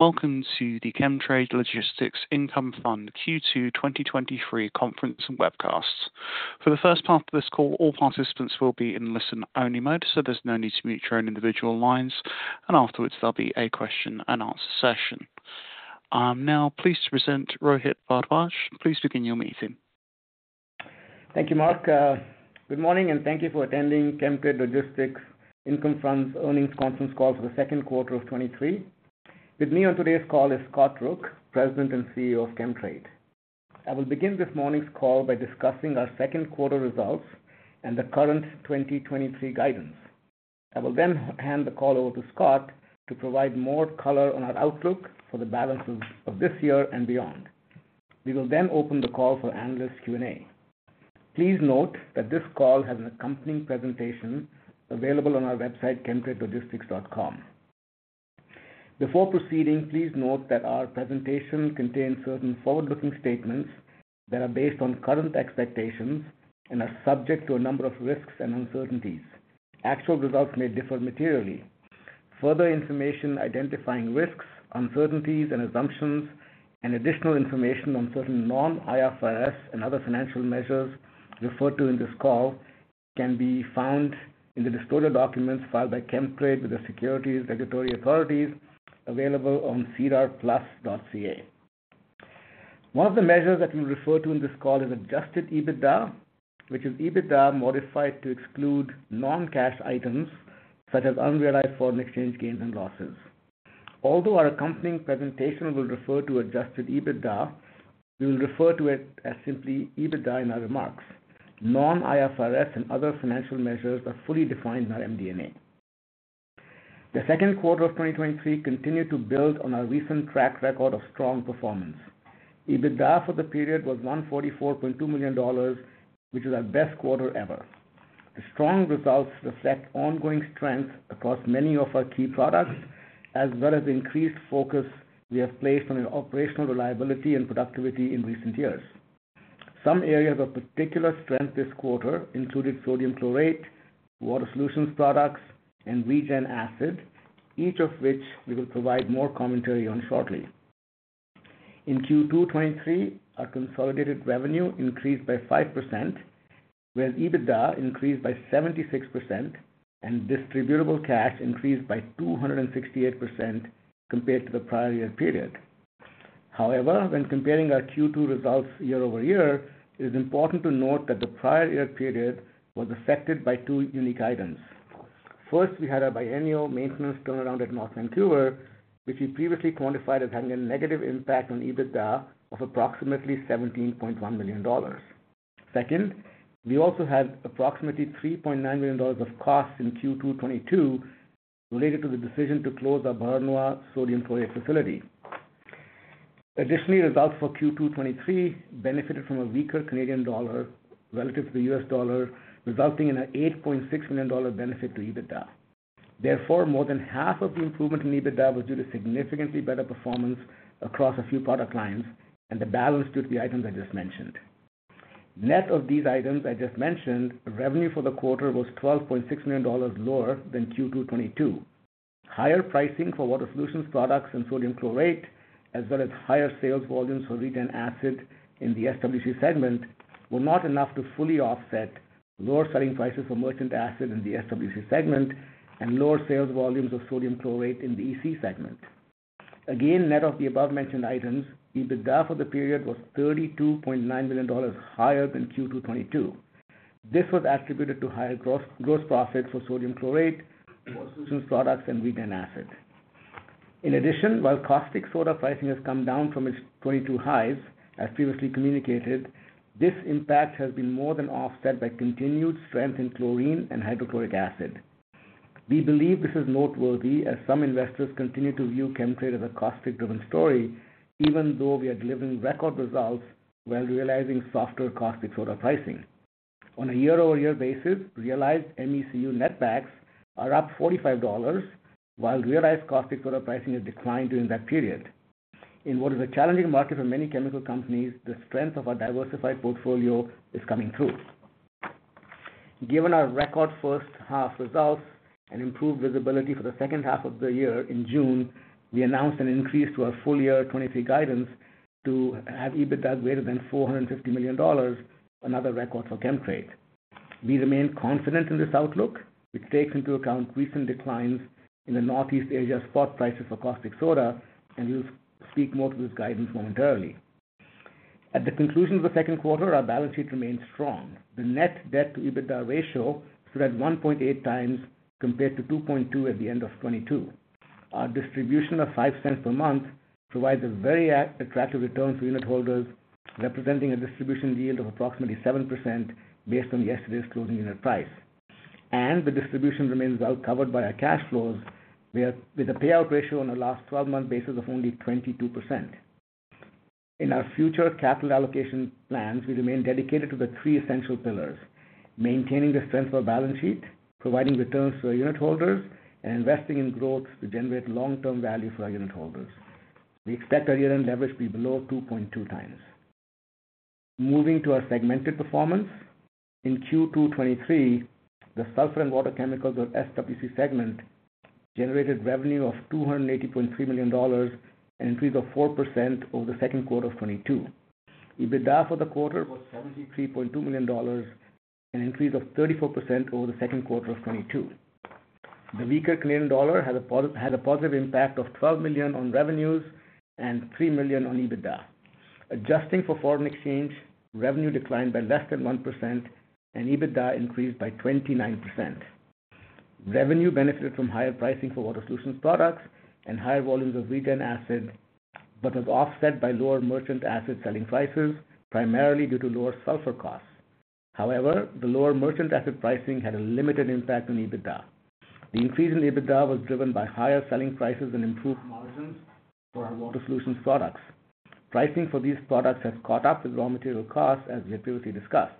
Welcome to the Chemtrade Logistics Income Fund Q2 2023 conference and webcast. For the first part of this call, all participants will be in listen-only mode, so there's no need to mute your own individual lines, and afterwards, there'll be a question-and-answer session. I'll now please present Rohit Bhardwaj. Please begin your meeting. Thank you, Mark. Good morning, and thank you for attending Chemtrade Logistics Income Fund's earnings conference call for the second quarter of 2023. With me on today's call is Scott Rook, President and CEO of Chemtrade. I will begin this morning's call by discussing our second quarter results and the current 2023 guidance. I will then hand the call over to Scott to provide more color on our outlook for the balance of this year and beyond. We will open the call for analyst Q&A. Please note that this call has an accompanying presentation available on our website, chemtradelogistics.com. Before proceeding, please note that our presentation contains certain forward-looking statements that are based on current expectations and are subject to a number of risks and uncertainties. Actual results may differ materially. Further information identifying risks, uncertainties, and assumptions, and additional information on certain non-IFRS and other financial measures referred to in this call can be found in the disclosure documents filed by Chemtrade with the securities regulatory authorities available on sedarplus.ca. One of the measures that we refer to in this call is adjusted EBITDA, which is EBITDA modified to exclude non-cash items such as unrealized foreign exchange gains and losses. Although our accompanying presentation will refer to adjusted EBITDA, we will refer to it as simply EBITDA in our remarks. Non-IFRS and other financial measures are fully defined in our MD&A. The second quarter of 2023 continued to build on our recent track record of strong performance. EBITDA for the period was 144.2 million dollars, which is our best quarter ever. The strong results reflect ongoing strength across many of our key products, as well as the increased focus we have placed on the operational reliability and productivity in recent years. Some areas of particular strength this quarter included sodium chlorate, water solutions products, and Regen acid, each of which we will provide more commentary on shortly. In Q2 2023, our consolidated revenue increased by 5%, whereas EBITDA increased by 76%, and distributable cash increased by 268% compared to the prior year period. However, when comparing our Q2 results year-over-year, it is important to note that the prior year period was affected by two unique items. First, we had our biennial maintenance turnaround at North Vancouver, which we previously quantified as having a negative impact on EBITDA of approximately 17.1 million dollars. Second, we also had approximately 3.9 million dollars of costs in Q2 2022 related to the decision to close our Beauharnois sodium chlorate facility. Results for Q2 2023 benefited from a weaker Canadian dollar relative to the U.S. dollar, resulting in a 8.6 million dollar benefit to EBITDA. More than half of the improvement in EBITDA was due to significantly better performance across a few product lines, and the balance due to the items I just mentioned. Net of these items I just mentioned, revenue for the quarter was 12.6 million dollars lower than Q2 2022. Higher pricing for water solutions products and sodium chlorate, as well as higher sales volumes for Regen acid in the SWC segment, were not enough to fully offset lower selling prices for merchant acid in the SWC segment and lower sales volumes of sodium chlorate in the EC segment. Again, net of the above-mentioned items, EBITDA for the period was 32.9 million dollars higher than Q2 2022. This was attributed to higher gross profit for sodium chlorate, solutions products, and Regen acid. In addition, while caustic soda pricing has come down from its 2022 highs, as previously communicated, this impact has been more than offset by continued strength in chlorine and hydrochloric acid. We believe this is noteworthy as some investors continue to view Chemtrade as a caustic-driven story, even though we are delivering record results while realizing softer caustic soda pricing. On a year-over-year basis, realized MECU netbacks are up $45, while realized caustic soda pricing has declined during that period. In what is a challenging market for many chemical companies, the strength of our diversified portfolio is coming through. Given our record first half results and improved visibility for the second half of the year in June, we announced an increase to our full year 23 guidance to have EBITDA greater than $450 million, another record for Chemtrade. We remain confident in this outlook, which takes into account recent declines in the Northeast Asia spot prices for caustic soda. We'll speak more to this guidance momentarily. At the conclusion of the second quarter, our balance sheet remains strong. The net debt to EBITDA ratio stood at 1.8 times compared to 2.2 at the end of 22. Our distribution of $0.05 per month provides a very attractive return for unitholders, representing a distribution yield of approximately 7% based on yesterday's closing unit price. The distribution remains well covered by our cash flows, with a payout ratio on the last 12-month basis of only 22%. In our future capital allocation plans, we remain dedicated to the three essential pillars: maintaining the strength of our balance sheet, providing returns to our unitholders, and investing in growth to generate long-term value for our unitholders. We expect our unit leverage to be below 2.2x. Moving to our segmented performance. In Q2 2023, the Sulphur and Water Chemicals, or SWC segment, generated revenue of $280.3 million, an increase of 4% over Q2 2022. EBITDA for the quarter was 73.2 million dollars, an increase of 34% over the 2Q 2022. The weaker Canadian dollar had a positive impact of 12 million on revenues and 3 million on EBITDA. Adjusting for foreign exchange, revenue declined by less than 1%, and EBITDA increased by 29%. Revenue benefited from higher pricing for water solutions products and higher volumes of Regen acid, but was offset by lower merchant acid selling prices, primarily due to lower sulphur costs. However, the lower merchant acid pricing had a limited impact on EBITDA. The increase in EBITDA was driven by higher selling prices and improved margins for our water solutions products. Pricing for these products has caught up with raw material costs, as we previously discussed.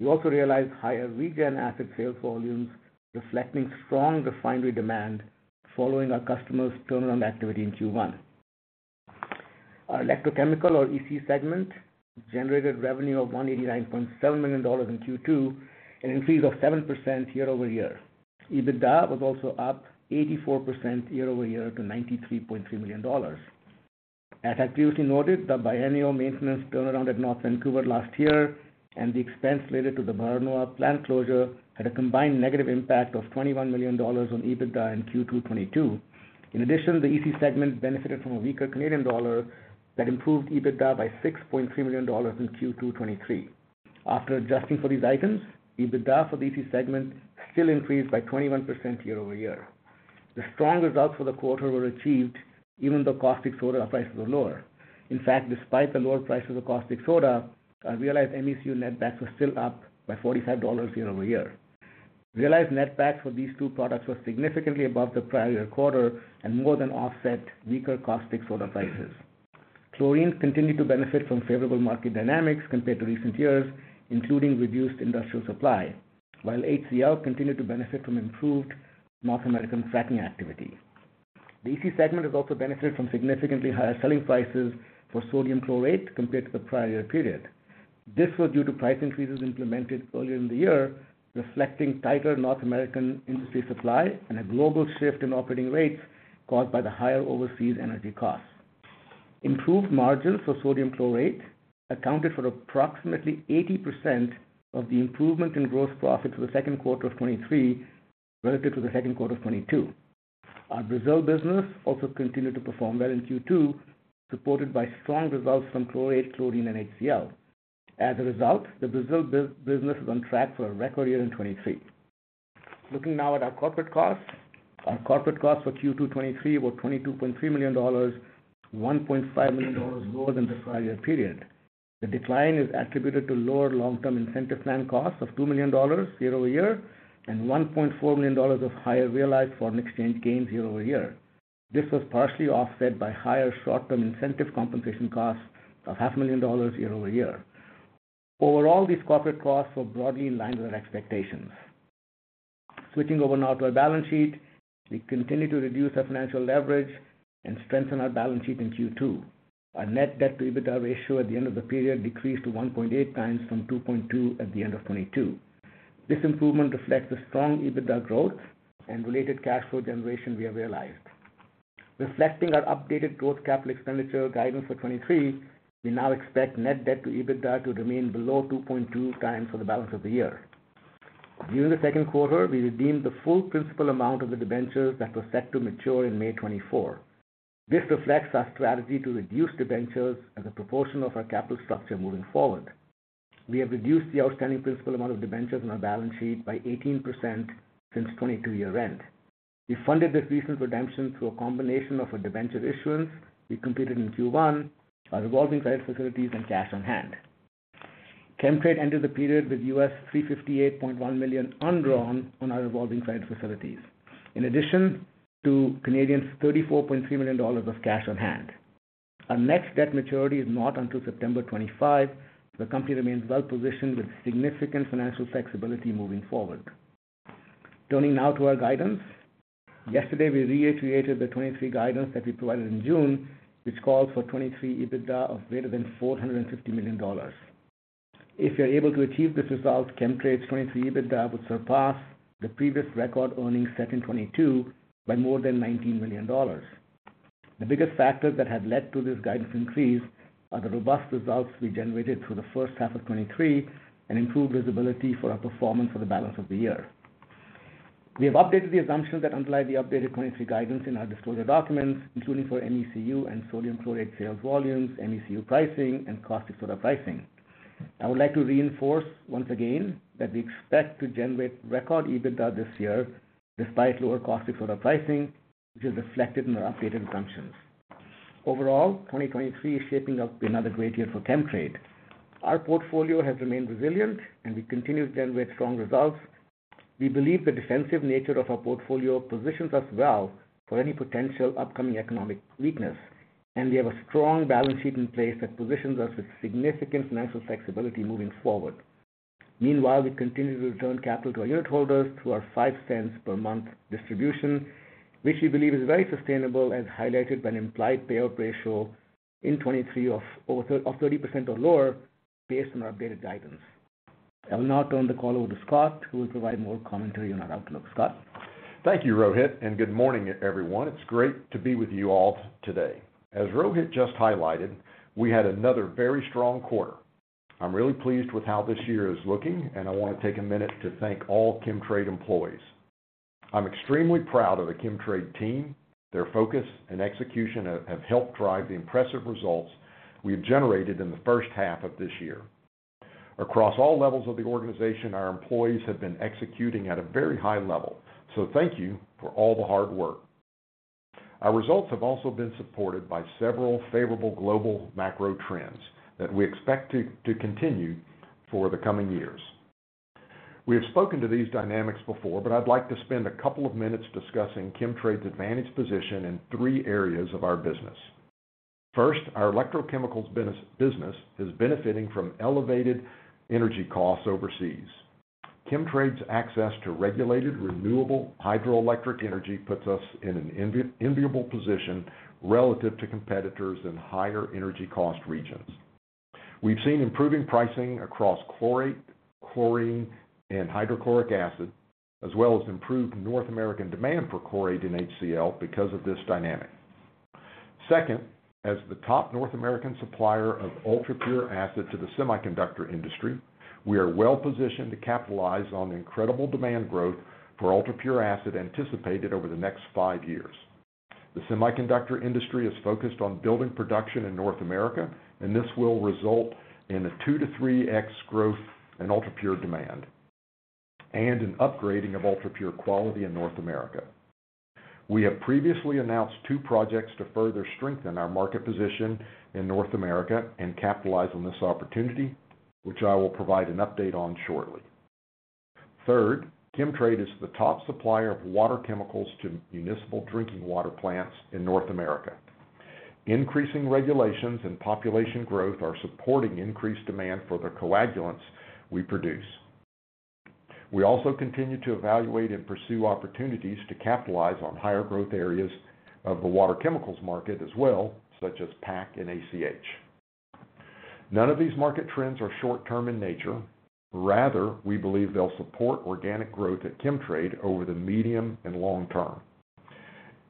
We also realized higher Regen acid sales volumes, reflecting strong refinery demand following our customers' turnaround activity in Q1. Our Electrochemicals or EC segment generated revenue of 189.7 million dollars in Q2, an increase of 7% year-over-year. EBITDA was also up 84% year-over-year to 93.3 million dollars. As I previously noted, the biennial maintenance turnaround at North Vancouver last year and the expense related to the Beauharnois plant closure, had a combined negative impact of 21 million dollars on EBITDA in Q2 2022. The EC segment benefited from a weaker Canadian dollar that improved EBITDA by 6.3 million dollars in Q2 2023. After adjusting for these items, EBITDA for the EC segment still increased by 21% year-over-year. The strong results for the quarter were achieved even though caustic soda prices were lower. In fact, despite the lower prices of caustic soda, our realized MECU netbacks were still up by $45 year-over-year. Realized netbacks for these two products were significantly above the prior year quarter and more than offset weaker caustic soda prices. Chlorine continued to benefit from favorable market dynamics compared to recent years, including reduced industrial supply, while HCl continued to benefit from improved North American fracking activity. The EC segment has also benefited from significantly higher selling prices for sodium chlorate compared to the prior year period. This was due to price increases implemented earlier in the year, reflecting tighter North American industry supply and a global shift in operating rates caused by the higher overseas energy costs. Improved margins for sodium chlorate accounted for approximately 80% of the improvement in gross profit for the second quarter of 2023 relative to the second quarter of 2022. Our Brazil business also continued to perform well in Q2, supported by strong results from chlorate, chlorine, and HCl. As a result, the Brazil business is on track for a record year in 2023. Looking now at our corporate costs. Our corporate costs for Q2 2023 were 22.3 million dollars, 1.5 million dollars more than the prior year period. The decline is attributed to lower Long-Term Incentive Plan costs of 2 million dollars year-over-year, and 1.4 million dollars of higher realized foreign exchange gains year-over-year. This was partially offset by higher short-term incentive compensation costs of 500,000 dollars year-over-year. Overall, these corporate costs were broadly in line with our expectations. Switching over now to our balance sheet. We continued to reduce our financial leverage and strengthen our balance sheet in Q2. Our net debt to EBITDA ratio at the end of the period decreased to 1.8x from 2.2 at the end of 2022. This improvement reflects the strong EBITDA growth and related cash flow generation we have realized. Reflecting our updated assumptions capital expenditure guidance for 2023, we now expect net debt to EBITDA to remain below 2.2x for the balance of the year. During the second quarter, we redeemed the full principal amount of the debentures that were set to mature in May 2024. This reflects our strategy to reduce debentures as a proportion of our capital structure moving forward. We have reduced the outstanding principal amount of debentures on our balance sheet by 18% since 2022 year end. We funded this recent redemption through a combination of our debenture issuance we completed in Q1, our revolving credit facilities, and cash on hand. Chemtrade entered the period with U.S. $358.1 million undrawn on our revolving credit facilities. In addition to 34.3 million dollars of cash on hand. Our next debt maturity is not until September 2025. The company remains well positioned with significant financial flexibility moving forward. Turning now to our guidance. Yesterday, we reiterated the 2023 guidance that we provided in June, which calls for 2023 EBITDA of greater than $450 million. If we are able to achieve this result, Chemtrade's 2023 EBITDA would surpass the previous record earnings set in 2022 by more than 19 million dollars. The biggest factors that have led to this guidance increase are the robust results we generated through the first half of 2023, and improved visibility for our performance for the balance of the year. We have updated the assumptions that underlie the updated 2023 guidance in our disclosure documents, including for MECU and sodium chlorate sales volumes, MECU pricing, and caustic soda pricing. I would like to reinforce once again that we expect to generate record EBITDA this year, despite lower caustic soda pricing, which is reflected in our updated assumptions. Overall, 2023 is shaping up to be another great year for Chemtrade. Our portfolio has remained resilient, and we continue to generate strong results. We believe the defensive nature of our portfolio positions us well for any potential upcoming economic weakness, and we have a strong balance sheet in place that positions us with significant financial flexibility moving forward. Meanwhile, we continue to return capital to our unitholders through our 0.05 per month distribution, which we believe is very sustainable, as highlighted by an implied payout ratio in 2023 of over 30% or lower based on our updated assumptions. I will now turn the call over to Scott, who will provide more commentary on our outlook. Scott? Thank you, Rohit. Good morning, everyone. It's great to be with you all today. As Rohit just highlighted, we had another very strong quarter. I'm really pleased with how this year is looking. I want to take a minute to thank all Chemtrade employees. I'm extremely proud of the Chemtrade team. Their focus and execution have helped drive the impressive results we've generated in the first half of this year. Across all levels of the organization, our employees have been executing at a very high level. Thank you for all the hard work. Our results have also been supported by several favorable global macro trends that we expect to continue for the coming years. We have spoken to these dynamics before. I'd like to spend a couple of minutes discussing Chemtrade's advantaged position in three areas of our business. First, our Electrochemicals business is benefiting from elevated energy costs overseas. Chemtrade's access to regulated, renewable hydroelectric energy puts us in an enviable position relative to competitors in higher energy cost regions. We've seen improving pricing across chlorate, chlorine, and hydrochloric acid, as well as improved North American demand for chlorate and HCl because of this dynamic. Second, as the top North American supplier of UltraPure acid to the semiconductor industry, we are well positioned to capitalize on the incredible demand growth for UltraPure acid anticipated over the next 5 years. The semiconductor industry is focused on building production in North America, and this will result in a 2-3x growth in UltraPure demand, and an upgrading of UltraPure quality in North America. We have previously announced two projects to further strengthen our market position in North America and capitalize on this opportunity, which I will provide an update on shortly. Third, Chemtrade is the top supplier of water chemicals to municipal drinking water plants in North America. Increasing regulations and population growth are supporting increased demand for the coagulants we produce. We also continue to evaluate and pursue opportunities to capitalize on higher growth areas of the water chemicals market as well, such as PAC and ACH. None of these market trends are short term in nature. Rather, we believe they'll support organic growth at Chemtrade over the medium and long term,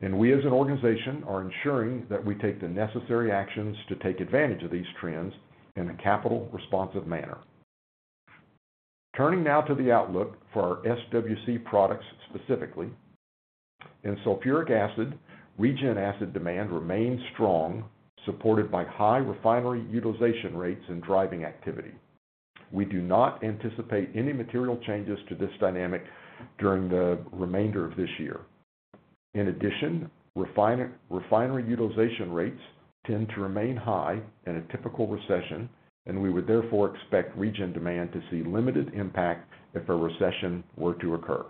and we, as an organization, are ensuring that we take the necessary actions to take advantage of these trends in a capital responsive manner. Turning now to the outlook for our SWC products, specifically. In sulphuric acid, Regen acid demand remains strong, supported by high refinery utilization rates and driving activity. We do not anticipate any material changes to this dynamic during the remainder of this year. In addition, refinery utilization rates tend to remain high in a typical recession, we would therefore expect regen demand to see limited impact if a recession were to occur.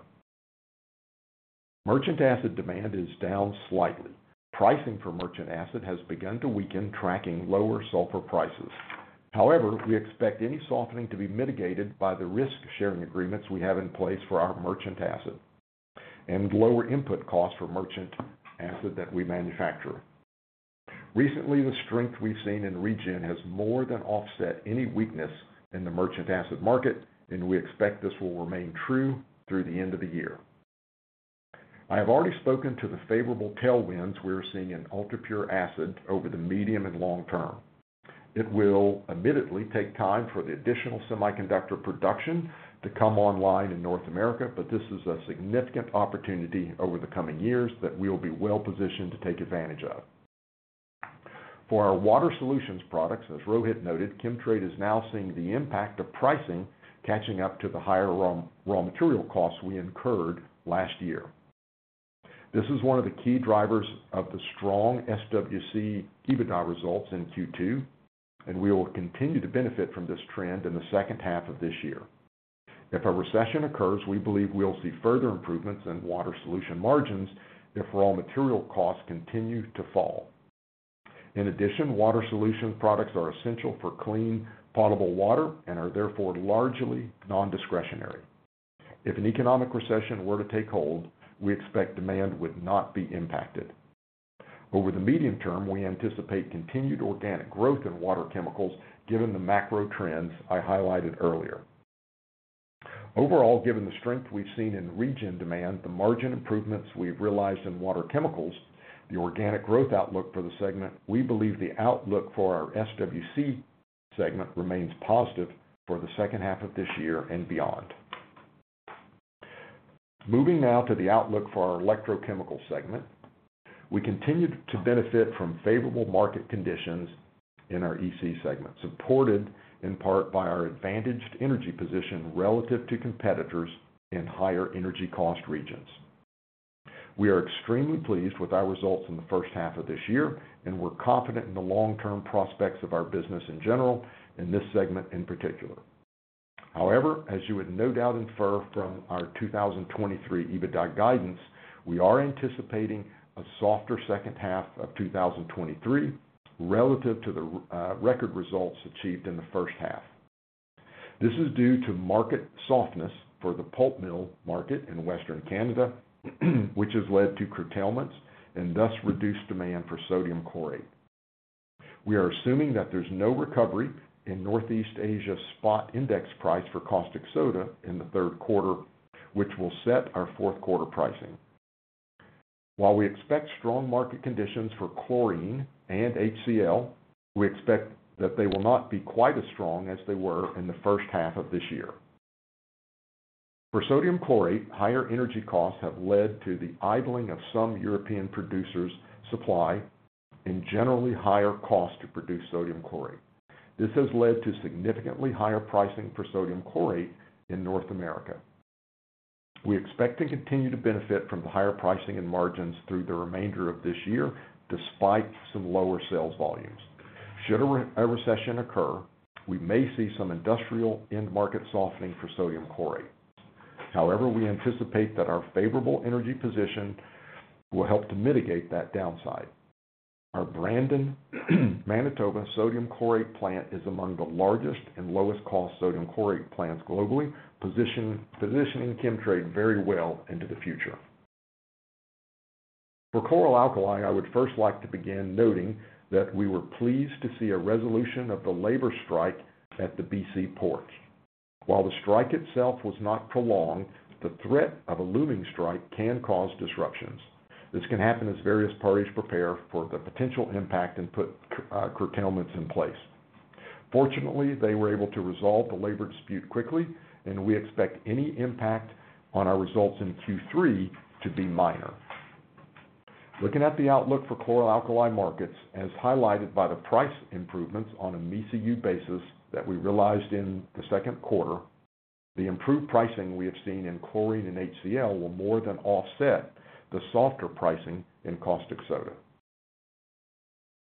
Merchant acid demand is down slightly. Pricing for merchant acid has begun to weaken, tracking lower sulphur prices. We expect any softening to be mitigated by the risk-sharing agreements we have in place for our merchant acid, lower input costs for merchant acid that we manufacture. Recently, the strength we've seen in regen has more than offset any weakness in the merchant acid market, we expect this will remain true through the end of the year. I have already spoken to the favorable tailwinds we are seeing in UltraPure acid over the medium and long term. It will admittedly take time for the additional semiconductor production to come online in North America. This is a significant opportunity over the coming years that we will be well positioned to take advantage of. For our water solutions products, as Rohit noted, Chemtrade is now seeing the impact of pricing catching up to the higher raw, raw material costs we incurred last year. This is one of the key drivers of the strong SWC EBITDA results in Q2. We will continue to benefit from this trend in the second half of this year. If a recession occurs, we believe we'll see further improvements in water solution margins if raw material costs continue to fall. Water solution products are essential for clean, potable water and are therefore largely non-discretionary. If an economic recession were to take hold, we expect demand would not be impacted. Over the medium term, we anticipate continued organic growth in water chemicals, given the macro trends I highlighted earlier. Overall, given the strength we've seen in regen demand, the margin improvements we've realized in water chemicals, the organic growth outlook for the segment, we believe the outlook for our SWC segment remains positive for the second half of this year and beyond. Moving now to the outlook for our Electrochemicals segment. We continue to benefit from favorable market conditions in our EC segment, supported in part by our advantaged energy position relative to competitors in higher energy cost regions. We are extremely pleased with our results in the first half of this year, and we're confident in the long-term prospects of our business in general and this segment in particular. However, as you would no doubt infer from our 2023 EBITDA guidance, we are anticipating a softer second half of 2023 relative to the record results achieved in the first half. This is due to market softness for the pulp mill market in Western Canada, which has led to curtailments and thus reduced demand for sodium chlorate. We are assuming that there's no recovery in Northeast Asia Spot Index price for caustic soda in the third quarter, which will set our fourth quarter pricing. While we expect strong market conditions for chlorine and HCl, we expect that they will not be quite as strong as they were in the first half of this year. For sodium chlorate, higher energy costs have led to the idling of some European producers' supply and generally higher cost to produce sodium chlorate. This has led to significantly higher pricing for sodium chlorate in North America. We expect to continue to benefit from the higher pricing and margins through the remainder of this year, despite some lower sales volumes. Should a recession occur, we may see some industrial end market softening for sodium chlorate. However, we anticipate that our favorable energy position will help to mitigate that downside. Our Brandon, Manitoba sodium chlorate plant is among the largest and lowest cost sodium chlorate plants globally, positioning Chemtrade very well into the future. For chlor-alkali, I would first like to begin noting that we were pleased to see a resolution of the labor strike at the BC port. While the strike itself was not prolonged, the threat of a looming strike can cause disruptions. This can happen as various parties prepare for the potential impact and put curtailments in place. Fortunately, they were able to resolve the labor dispute quickly, and we expect any impact on our results in Q3 to be minor. Looking at the outlook for chlor-alkali markets, as highlighted by the price improvements on a MECU basis that we realized in the second quarter, the improved pricing we have seen in chlorine and HCl will more than offset the softer pricing in caustic soda.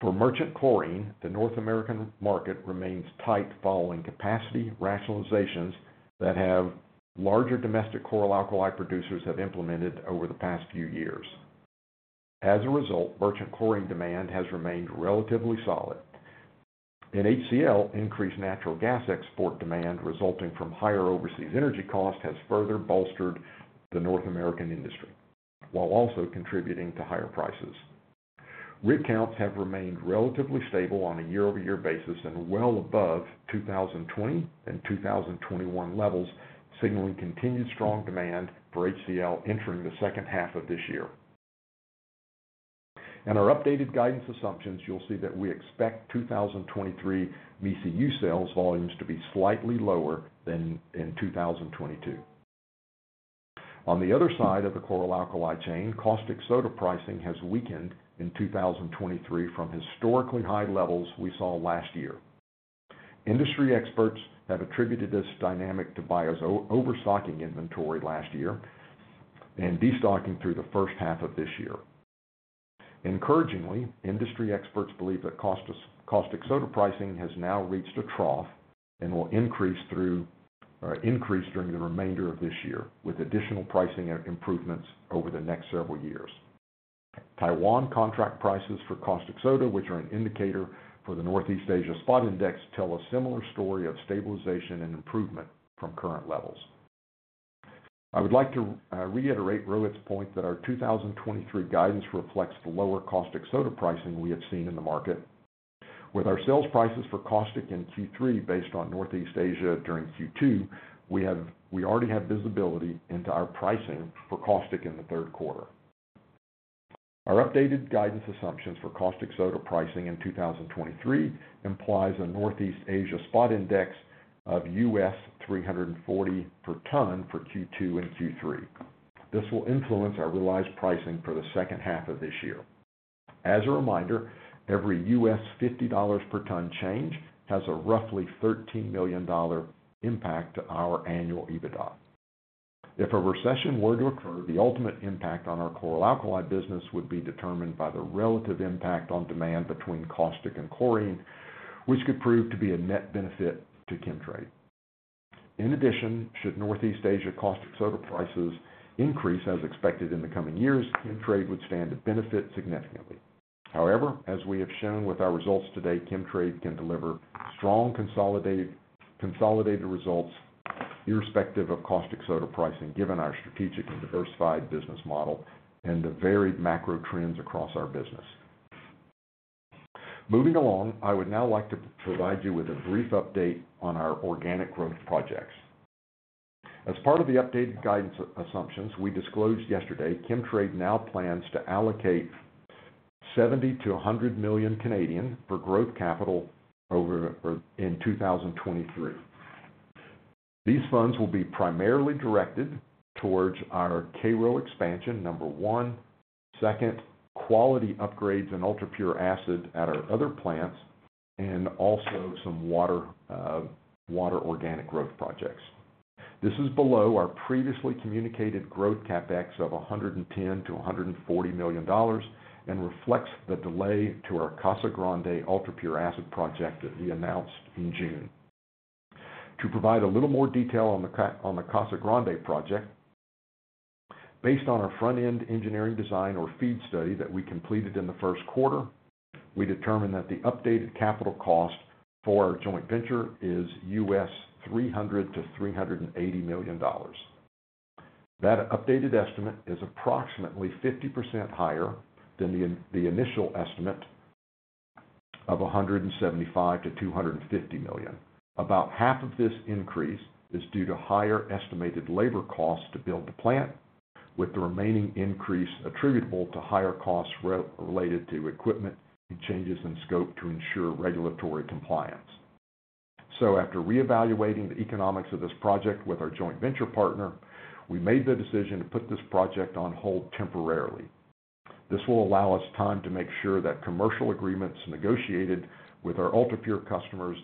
For merchant chlorine, the North American market remains tight following capacity rationalizations that have larger domestic chlor-alkali producers have implemented over the past few years. As a result, merchant chlorine demand has remained relatively solid. In HCl, increased natural gas export demand resulting from higher overseas energy costs has further bolstered the North American industry, while also contributing to higher prices. Rig counts have remained relatively stable on a year-over-year basis and well above 2020 and 2021 levels, signaling continued strong demand for HCl entering the second half of this year. In our updated guidance assumptions, you'll see that we expect 2023 MECU sales volumes to be slightly lower than in 2022. On the other side of the chlor-alkali chain, caustic soda pricing has weakened in 2023 from historically high levels we saw last year. Industry experts have attributed this dynamic to buyers overstocking inventory last year and destocking through the first half of this year. Encouragingly, industry experts believe that cost of caustic soda pricing has now reached a trough and will increase during the remainder of this year, with additional pricing improvements over the next several years. Taiwan contract prices for caustic soda, which are an indicator for the Northeast Asia Spot Index, tell a similar story of stabilization and improvement from current levels. I would like to reiterate Rohit's point that our 2023 guidance reflects the lower caustic soda pricing we have seen in the market. With our sales prices for caustic in Q3 based on Northeast Asia during Q2, we already have visibility into our pricing for caustic in the third quarter. Our updated guidance assumptions for caustic soda pricing in 2023 implies a Northeast Asia Spot Index of U.S. $340 per ton for Q2 and Q3. This will influence our realized pricing for the second half of this year. As a reminder, every $50 per ton change has a roughly $13 million impact to our annual EBITDA. If a recession were to occur, the ultimate impact on our chlor-alkali business would be determined by the relative impact on demand between caustic and chlorine, which could prove to be a net benefit to Chemtrade. In addition, should Northeast Asia caustic soda prices increase as expected in the coming years, Chemtrade would stand to benefit significantly. However, as we have shown with our results today, Chemtrade can deliver strong consolidated, consolidated results irrespective of caustic soda pricing, given our strategic and diversified business model and the varied macro trends across our business. Moving along, I would now like to provide you with a brief update on our organic growth projects. As part of the updated guidance assumptions we disclosed yesterday, Chemtrade now plans to allocate 70 million-100 million for growth capital In 2023. These funds will be primarily directed towards our Cairo expansion, number one. Second, quality upgrades in UltraPure sulphuric acid at our other plants, and also some water, water organic growth projects. This is below our previously communicated growth CapEx of $110 million-$140 million and reflects the delay to our Casa Grande UltraPure acid project that we announced in June. To provide a little more detail on the Casa Grande project, Based on our Front-End Engineering Design or FEED study that we completed in the first quarter, we determined that the updated capital cost for our joint venture is U.S. $300 million-$380 million. That updated estimate is approximately 50% higher than the initial estimate of $175 million-$250 million. About half of this increase is due to higher estimated labor costs to build the plant, with the remaining increase attributable to higher costs related to equipment and changes in scope to ensure regulatory compliance. After reevaluating the economics of this project with our joint venture partner, we made the decision to put this project on hold temporarily. This will allow us time to make sure that commercial agreements negotiated with our UltraPure customers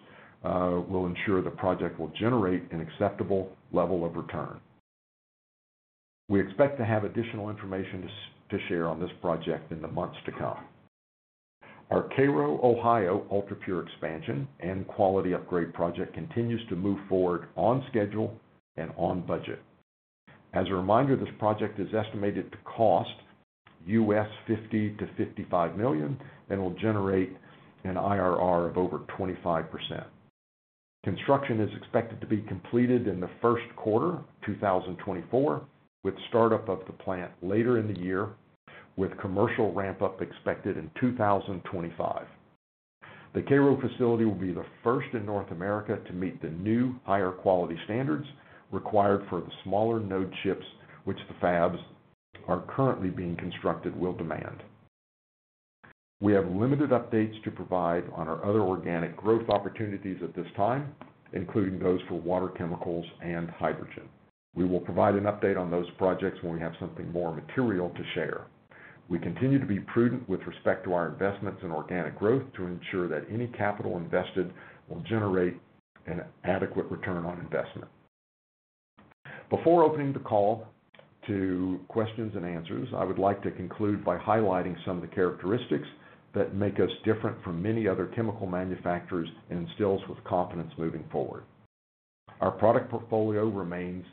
will ensure the project will generate an acceptable level of return. We expect to have additional information to share on this project in the months to come. Our Cairo, Ohio, UltraPure expansion and quality upgrade project continues to move forward on schedule and on budget. As a reminder, this project is estimated to cost $50 million-$55 million and will generate an IRR of over 25%. Construction is expected to be completed in the first quarter 2024, with startup of the plant later in the year, with commercial ramp-up expected in 2025. The Cairo facility will be the first in North America to meet the new higher quality standards required for the smaller node chips, which the fabs are currently being constructed will demand. We have limited updates to provide on our other organic growth opportunities at this time, including those for water chemicals and hydrogen. We will provide an update on those projects when we have something more material to share. We continue to be prudent with respect to our investments in organic growth to ensure that any capital invested will generate an adequate return on investment. Before opening the call to questions and answers, I would like to conclude by highlighting some of the characteristics that make us different from many other chemical manufacturers and instills with confidence moving forward. Our product portfolio remains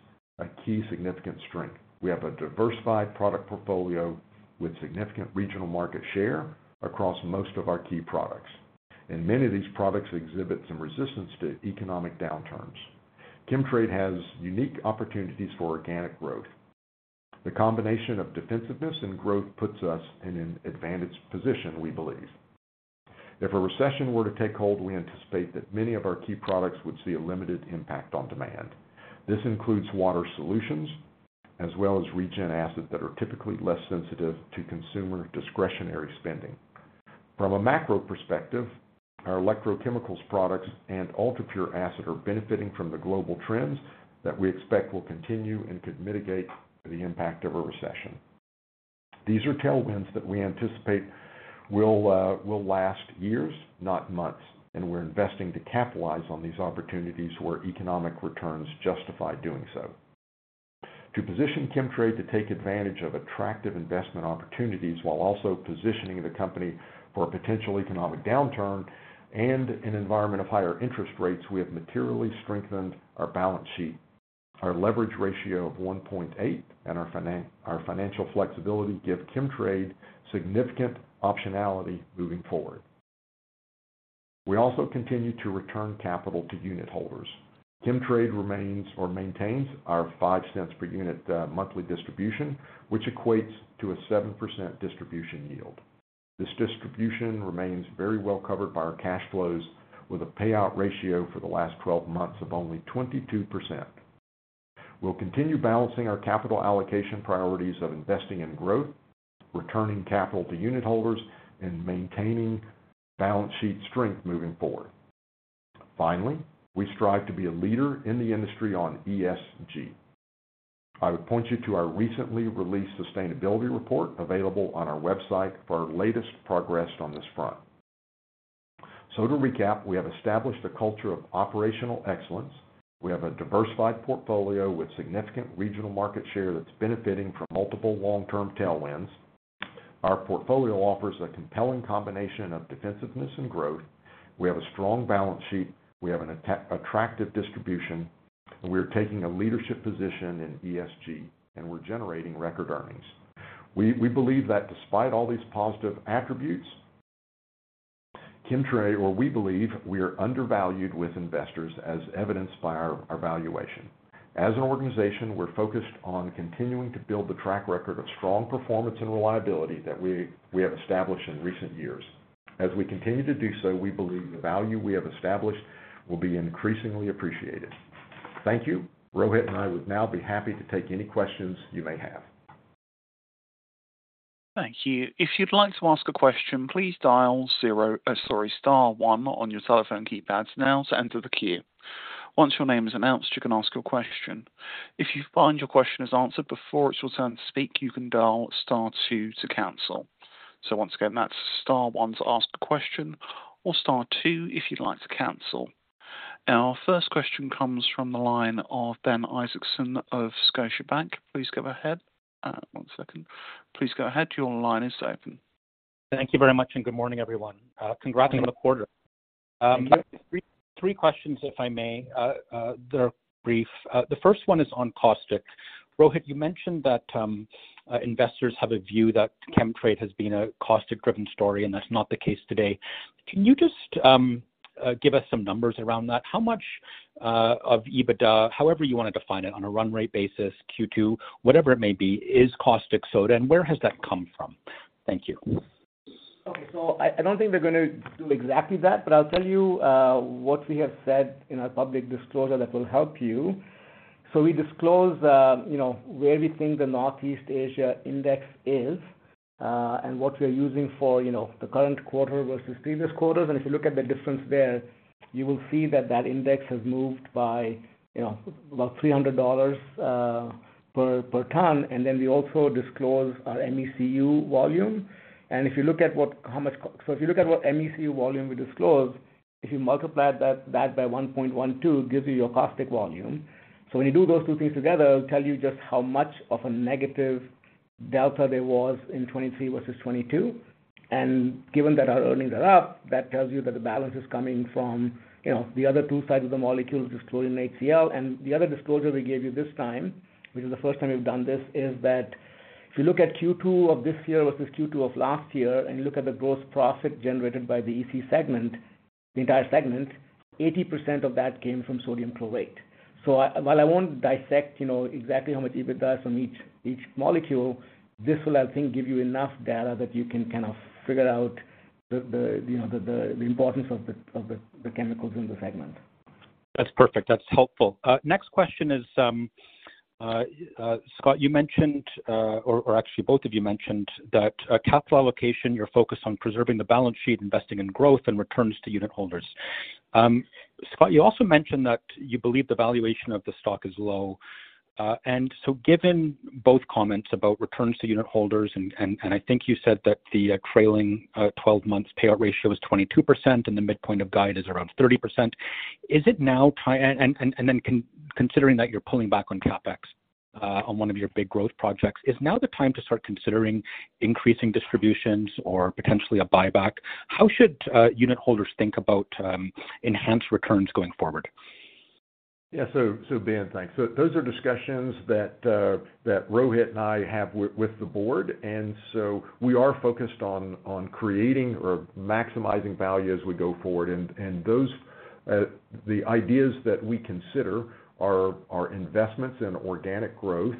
a key significant strength. We have a diversified product portfolio with significant regional market share across most of our key products, and many of these products exhibit some resistance to economic downturns. Chemtrade has unique opportunities for organic growth. The combination of defensiveness and growth puts us in an advantaged position, we believe. If a recession were to take hold, we anticipate that many of our key products would see a limited impact on demand. This includes water solutions, as well as Regen acid that are typically less sensitive to consumer discretionary spending. From a macro perspective, our electrochemical products and UltraPure acid are benefiting from the global trends that we expect will continue and could mitigate the impact of a recession. These are tailwinds that we anticipate will, will last years, not months, and we're investing to capitalize on these opportunities where economic returns justify doing so. To position Chemtrade to take advantage of attractive investment opportunities while also positioning the company for a potential economic downturn and an environment of higher interest rates, we have materially strengthened our balance sheet. Our leverage ratio of 1.8 and our financial flexibility give Chemtrade significant optionality moving forward. We also continue to return capital to unitholders. Chemtrade remains or maintains our 0.05 per unit monthly distribution, which equates to a 7% distribution yield. This distribution remains very well covered by our cash flows, with a payout ratio for the last 12 months of only 22%. We'll continue balancing our capital allocation priorities of investing in growth, returning capital to unitholders, and maintaining balance sheet strength moving forward. Finally, we strive to be a leader in the industry on ESG. I would point you to our recently released sustainability report, available on our website for our latest progress on this front. To recap, we have established a culture of operational excellence. We have a diversified portfolio with significant regional market share that's benefiting from multiple long-term tailwinds. Our portfolio offers a compelling combination of defensiveness and growth. We have a strong balance sheet, we have an attractive distribution, and we are taking a leadership position in ESG, and we're generating record earnings. We believe that despite all these positive attributes, Chemtrade or we believe we are undervalued with investors, as evidenced by our, our valuation. As an organization, we're focused on continuing to build the track record of strong performance and reliability that we have established in recent years. As we continue to do so, we believe the value we have established will be increasingly appreciated. Thank you. Rohit and I would now be happy to take any questions you may have. Thank you. If you'd like to ask a question, please dial zero. Sorry, star one on your telephone keypads now to enter the queue. Once your name is announced, you can ask your question. If you find your question is answered before it's your turn to speak, you can dial star two to cancel. Once again, that's star one to ask a question, or star two if you'd like to cancel. Our first question comes from the line of Ben Isaacson of Scotiabank. Please go ahead. one second. Please go ahead. Your line is open. Thank you very much, and good morning, everyone. Congratulations on the quarter.... 3 questions, if I may. They're brief. The first one is on caustic. Rohit, you mentioned that investors have a view that Chemtrade has been a caustic-driven story, and that's not the case today. Can you just give us some numbers around that? How much of EBITDA, however you want to define it, on a run rate basis, Q2, whatever it may be, is caustic soda, and where has that come from? Thank you. Okay. I, I don't think we're gonna do exactly that, but I'll tell you what we have said in our public disclosure that will help you. We disclose, you know, where we think the Northeast Asia Spot Index is, and what we're using for, you know, the current quarter versus previous quarters. If you look at the difference there, you will see that that index has moved by, you know, about $300 per ton. We also disclose our MECU volume. If you look at what MECU volume we disclose, if you multiply that by 1.12, it gives you your caustic volume. When you do those two things together, it'll tell you just how much of a negative delta there was in 2023 versus 2022. Given that our earnings are up, that tells you that the balance is coming from, you know, the other two sides of the molecule disclosure in HCl. The other disclosure we gave you this time, which is the first time we've done this, is that if you look at Q2 of this year versus Q2 of last year, and you look at the gross profit generated by the EC segment, the entire segment, 80% of that came from sodium chlorate. While I won't dissect, you know, exactly how much EBITDA is from each, each molecule, this will, I think, give you enough data that you can kind of figure out the, the, you know, the, the, the importance of the, of the, the chemicals in the segment. That's perfect. That's helpful. Next question is, Scott, you mentioned, or actually both of you mentioned that capital allocation, you're focused on preserving the balance sheet, investing in growth and returns to unitholders. Scott, you also mentioned that you believe the valuation of the stock is low. Given both comments about returns to unitholders, I think you said that the trailing 12 months payout ratio is 22%, and the midpoint of guide is around 30%. Considering that you're pulling back on CapEx on one of your big growth projects, is now the time to start considering increasing distributions or potentially a buyback? How should unitholders think about enhanced returns going forward? Yeah. so Ben, thanks. Those are discussions that Rohit and I have with, with the board, so we are focused on, on creating or maximizing value as we go forward. and those the ideas that we consider are, are investments in organic growth.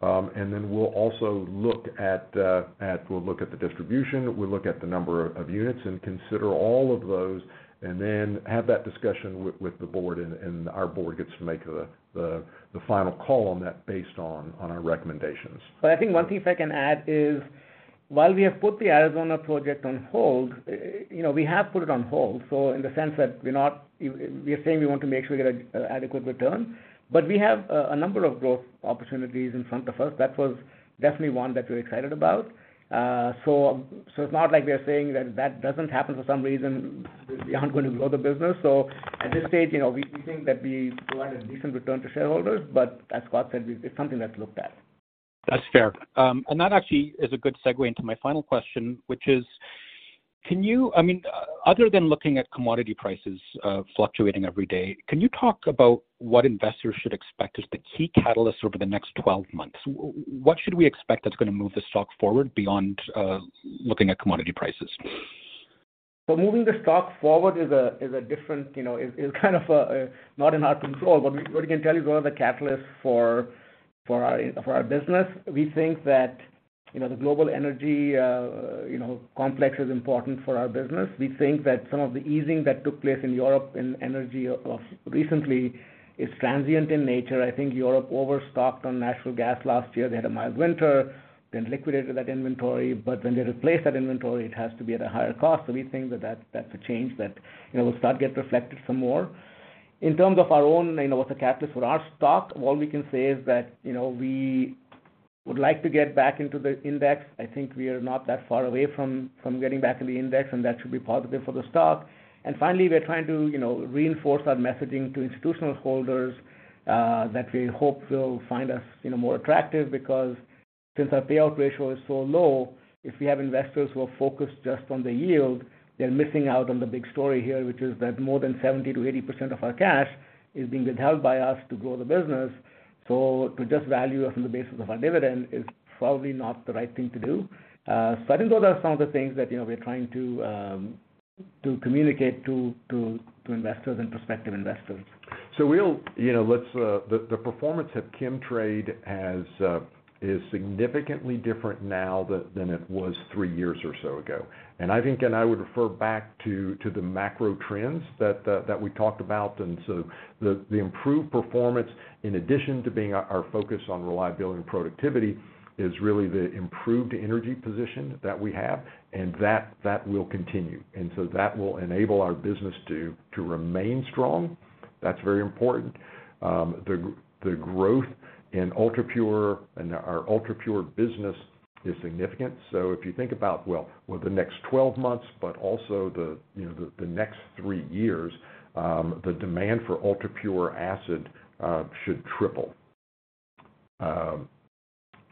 Then we'll also look at we'll look at the distribution, we'll look at the number of units and consider all of those, then have that discussion with, with the board, and our board gets to make the, the, the final call on that based on, on our recommendations. I think one piece I can add is, while we have put the Arizona project on hold, you know, we have put it on hold, so in the sense that we're not, we are saying we want to make sure we get a adequate return. We have a number of growth opportunities in front of us. That was definitely one that we're excited about. So, so it's not like we are saying that if that doesn't happen for some reason, we aren't going to grow the business. At this stage, you know, we think that we provide a decent return to shareholders, but as Scott said, it's something that's looked at. That's fair. That actually is a good segue into my final question, which is, Can you... I mean, other than looking at commodity prices, fluctuating every day, can you talk about what investors should expect as the key catalysts over the next 12 months? What should we expect that's gonna move the stock forward beyond looking at commodity prices? Moving the stock forward is a different, you know, is kind of not in our control. What we can tell you, what are the catalysts for our business. We think that, you know, the global energy, you know, complex is important for our business. We think that some of the easing that took place in Europe, in energy of recently is transient in nature. I think Europe overstocked on natural gas last year. They had a mild winter, then liquidated that inventory, but when they replace that inventory, it has to be at a higher cost. We think that that's a change that, you know, will start to get reflected some more. In terms of our own, you know, what's the catalyst for our stock, all we can say is that, you know, we would like to get back into the index. I think we are not that far away from, from getting back in the index, and that should be positive for the stock. Finally, we are trying to, you know, reinforce our messaging to institutional holders that we hope will find us, you know, more attractive because since our payout ratio is so low, if we have investors who are focused just on the yield, they're missing out on the big story here, which is that more than 70%-80% of our cash is being withheld by us to grow the business. To just value us on the basis of our dividend is probably not the right thing to do. I think those are some of the things that, you know, we're trying to communicate to investors and prospective investors. We'll, you know, let's, the, the performance at Chemtrade has, is significantly different now than, than it was three years or so ago. I think and I would refer back to, to the macro trends that, that we talked about. The, the improved performance, in addition to being our, our focus on reliability and productivity, is really the improved energy position that we have, and that, that will continue. That will enable our business to, to remain strong. That's very important. The growth in UltraPure and our UltraPure business is significant. If you think about, well, well, the next 12 months, but also the, you know, the, the next three years, the demand for UltraPure acid should triple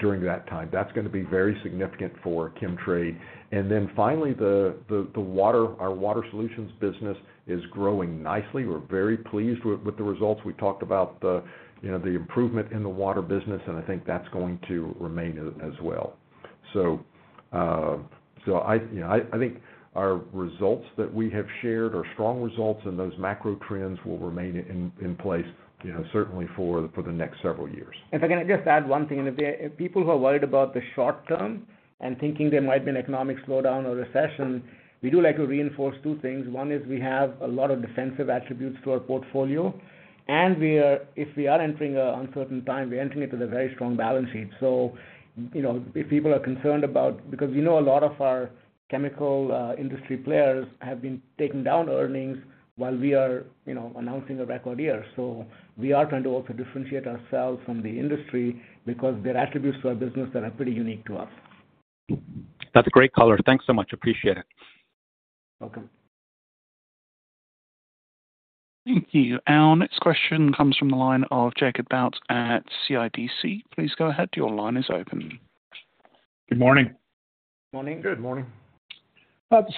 during that time, that's gonna be very significant for Chemtrade. Then finally, the water, our water solutions business is growing nicely. We're very pleased with the results. We talked about the, you know, the improvement in the water business, and I think that's going to remain as well. I, you know, I think our results that we have shared are strong results, and those macro trends will remain in, in place, you know, certainly for, for the next several years. If I can just add one thing. If people who are worried about the short term and thinking there might be an economic slowdown or recession, we do like to reinforce two things. One is we have a lot of defensive attributes to our portfolio, and we are, if we are entering a uncertain time, we're entering it with a very strong balance sheet. You know, if people are concerned about... Because we know a lot of our chemical industry players have been taking down earnings while we are, you know, announcing a record year. We are trying to also differentiate ourselves from the industry because there are attributes to our business that are pretty unique to us. That's a great color. Thanks so much. Appreciate it. Welcome. Thank you. Our next question comes from the line of Jacob Bout at CIBC. Please go ahead. Your line is open. Good morning. Morning. Good morning.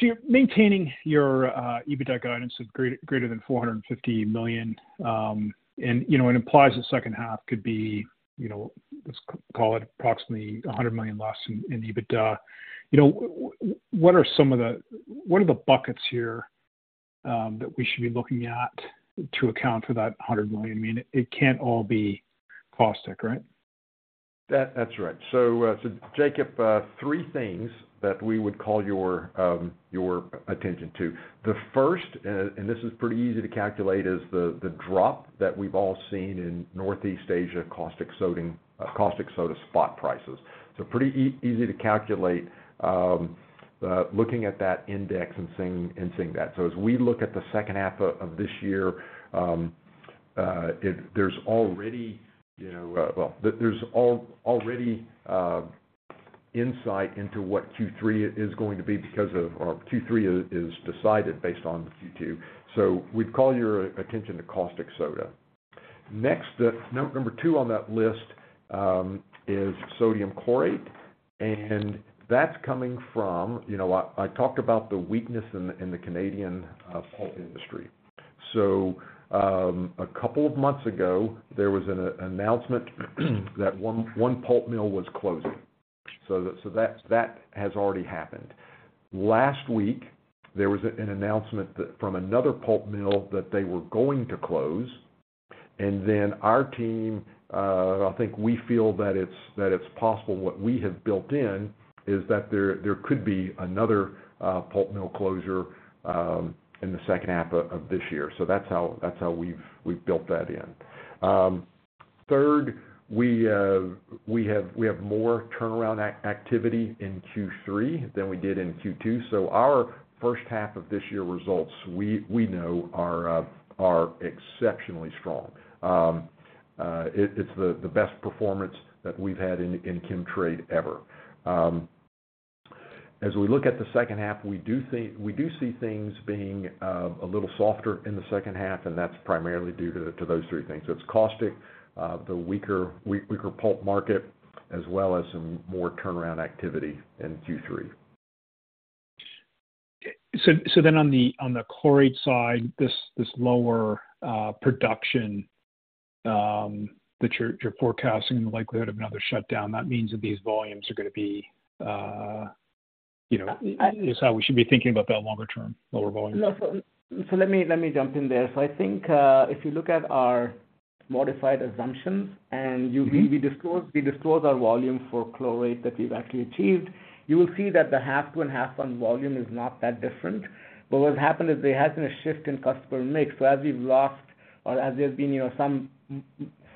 You're maintaining your EBITDA guidance of greater than 450 million. You know, it implies the second half could be, you know, let's call it approximately 100 million less in EBITDA. You know, what are some of the - what are the buckets here that we should be looking at to account for that 100 million? I mean, it can't all be caustic, right? That, that's right. Jacob, three things that we would call your, your attention to. The first, and this is pretty easy to calculate, is the, the drop that we've all seen in Northeast Asia, caustic soda spot prices. Pretty easy to calculate, looking at that index and seeing, and seeing that. As we look at the second half of, of this year, there's already, you know, Well, there's already, insight into what Q3 is going to be because of our Q3 is, is decided based on Q2. We'd call your attention to caustic soda. Next, the number two on that list, is sodium chlorate, and that's coming from, you know, I, I talked about the weakness in the, in the Canadian, pulp industry. A couple of months ago, there was an announcement, that 1, 1 pulp mill was closing. That, so that's, that has already happened. Last week, there was an announcement that from another pulp mill that they were going to close, and then our team, I think we feel that it's, that it's possible what we have built in is that there, there could be another pulp mill closure, in the second half of this year. That's how, that's how we've, we've built that in. Third, we have, we have more turnaround activity in Q3 than we did in Q2. Our first half of this year results, we, we know are exceptionally strong. It, it's the, the best performance that we've had in Chemtrade ever. As we look at the 2nd half, we do see things being a little softer in the 2nd half, and that's primarily due to those 3 things. It's caustic, the weaker, weaker pulp market, as well as some more turnaround activity in Q3. On the, on the chlorate side, this lower production, that you're, you're forecasting and the likelihood of another shutdown, that means that these volumes are gonna be, you know. I- Is how we should be thinking about that longer term, lower volume? No, let me, let me jump in there. I think, if you look at our modified assumptions, and you- Mm-hmm. We disclose, we disclose our volume for chlorate that we've actually achieved. You will see that the half-on-half volume is not that different. What's happened is there has been a shift in customer mix. As we've lost or as there's been, you know, some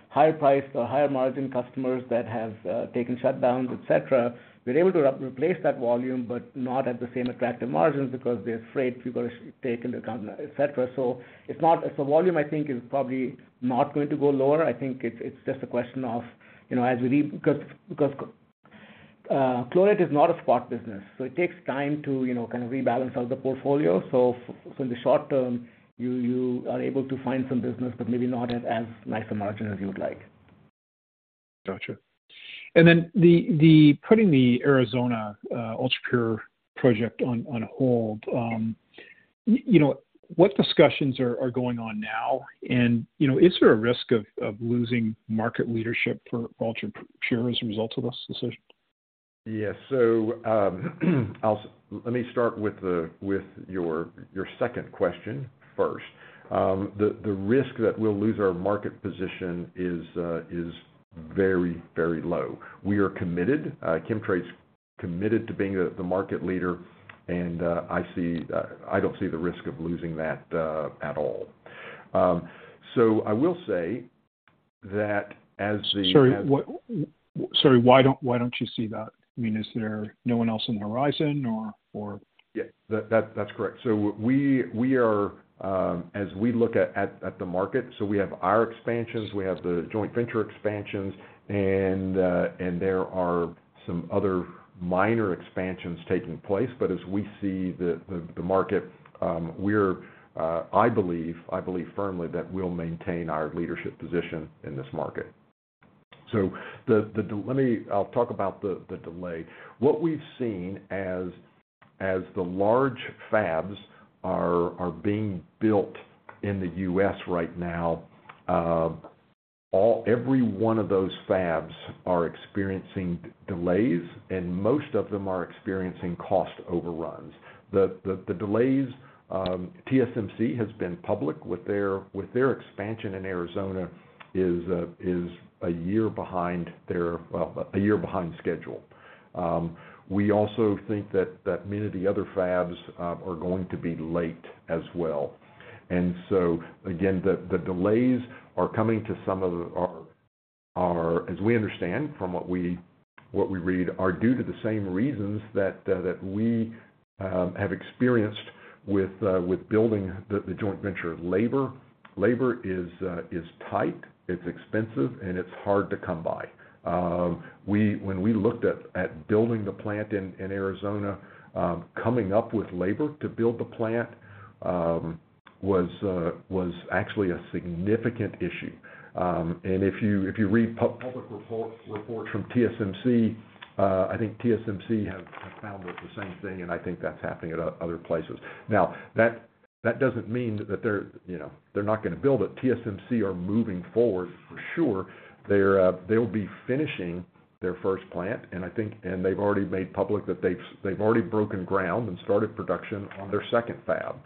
higher priced or higher margin customers that have taken shutdowns, et cetera, we're able to re-replace that volume, but not at the same attractive margins because they're freight, we got to take into account, et cetera. It's not. Volume, I think, is probably not going to go lower. I think it's, it's just a question of, you know, as we leave... Because, because chlorate is not a spot business, so it takes time to, you know, kind of rebalance out the portfolio. In the short term, you, you are able to find some business, but maybe not as, as nice a margin as you would like. Gotcha. Then the putting the Arizona UltraPure project on, on hold, you know, what discussions are, are going on now? You know, is there a risk of, of losing market leadership for UltraPure as a result of this decision? Yes. I'll let me start with the, with your, your second question first. The, the risk that we'll lose our market position is very, very low. We are committed, Chemtrade's committed to being the, the market leader, and I see I don't see the risk of losing that at all. I will say that as the. Sorry, what... Sorry, why don't, why don't you see that? I mean, is there no one else on the horizon or, or? Yeah, that, that, that's correct. We, we are, as we look at, at, at the market, so we have our expansions, we have the joint venture expansions, there are some other minor expansions taking place. As we see the, the, the market, we're, I believe, I believe firmly that we'll maintain our leadership position in this market. I'll talk about the delay. What we've seen as, as the large fabs are, are being built in the U.S. right now, every one of those fabs are experiencing delays, and most of them are experiencing cost overruns. The delays, TSMC has been public with their expansion in Arizona is a year behind their, well, a year behind schedule. We also think that, that many of the other fabs are going to be late as well. Again, the, the delays are coming to some of our, our, as we understand from what we, what we read, are due to the same reasons that we have experienced with building the joint venture: labor. Labor is tight, it's expensive, and it's hard to come by. When we looked at building the plant in Arizona, coming up with labor to build the plant was actually a significant issue. If you, if you read public reports, reports from TSMC, I think TSMC have found the same thing, and I think that's happening at other places. That, that doesn't mean that they're, you know, they're not gonna build it. TSMC are moving forward for sure. They're, they'll be finishing their first plant, and I think, and they've already made public that they've, they've already broken ground and started production on their second fab.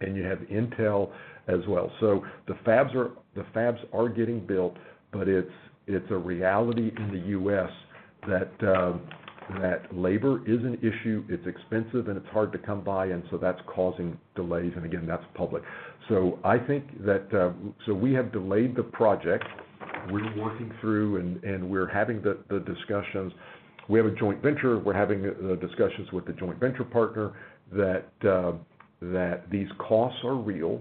You have Intel as well. The fabs are, the fabs are getting built, but it's, it's a reality in the U.S. that, that labor is an issue, it's expensive, and it's hard to come by, and so that's causing delays. Again, that's public. I think that. We have delayed the project. We're working through, and we're having the, the discussions. We have a joint venture. We're having the, the discussions with the joint venture partner that, that these costs are real.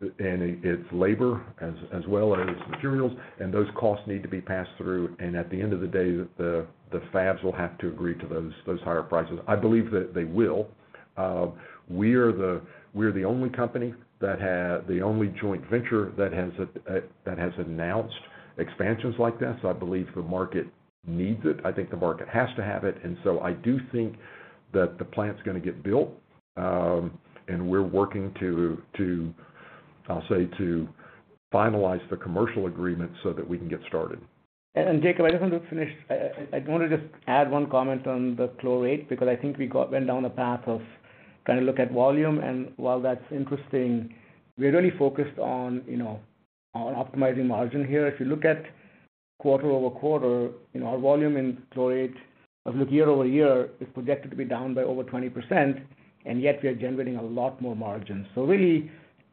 It's labor as well as materials, and those costs need to be passed through. At the end of the day, the fabs will have to agree to those higher prices. I believe that they will. We are the only company that has-- the only joint venture that has announced expansions like this. I believe the market needs it. I think the market has to have it, so I do think that the plant's gonna get built. We're working to, I'll say, to finalize the commercial agreement so that we can get started. Jacob, I just want to finish. I, I, I want to just add one comment on the chlorate, because I think we went down a path of trying to look at volume, and while that's interesting, we're really focused on, you know, on optimizing margin here. If you look at quarter-over-quarter, you know, our volume in chlorate of the year-over-year is projected to be down by over 20%, and yet we are generating a lot more margin. Really,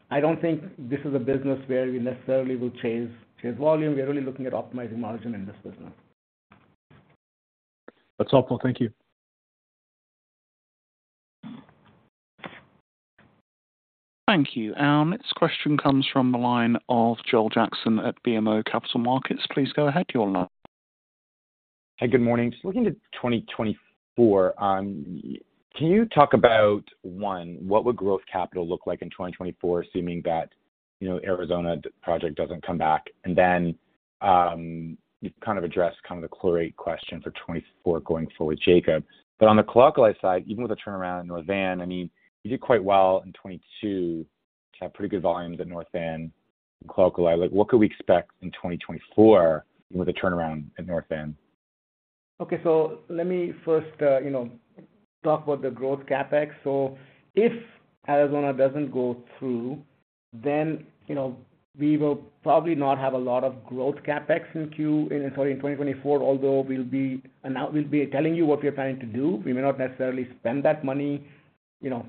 I don't think this is a business where we necessarily will chase, chase volume. We are really looking at optimizing margin in this business. That's helpful. Thank you. Thank you. Our next question comes from the line of Joel Jackson at BMO Capital Markets. Please go ahead, you're on now. Hi, good morning. Just looking at 2024, can you talk about, one, what would growth capital look like in 2024, assuming that, you know, Arizona project doesn't come back? You kind of addressed kind of the chlorate question for 2024 going forward, Jacob. On the chlor-alkali side, even with the turnaround in North Van, I mean, you did quite well in 2022. You had pretty good volumes at North Van and chlor-alkali. Like, what could we expect in 2024 with a turnaround at North Van? Okay, let me first, you know, talk about the growth CapEx. If Arizona doesn't go through, then, you know, we will probably not have a lot of growth CapEx in 2024, although we'll be telling you what we are planning to do. We may not necessarily spend that money, you know,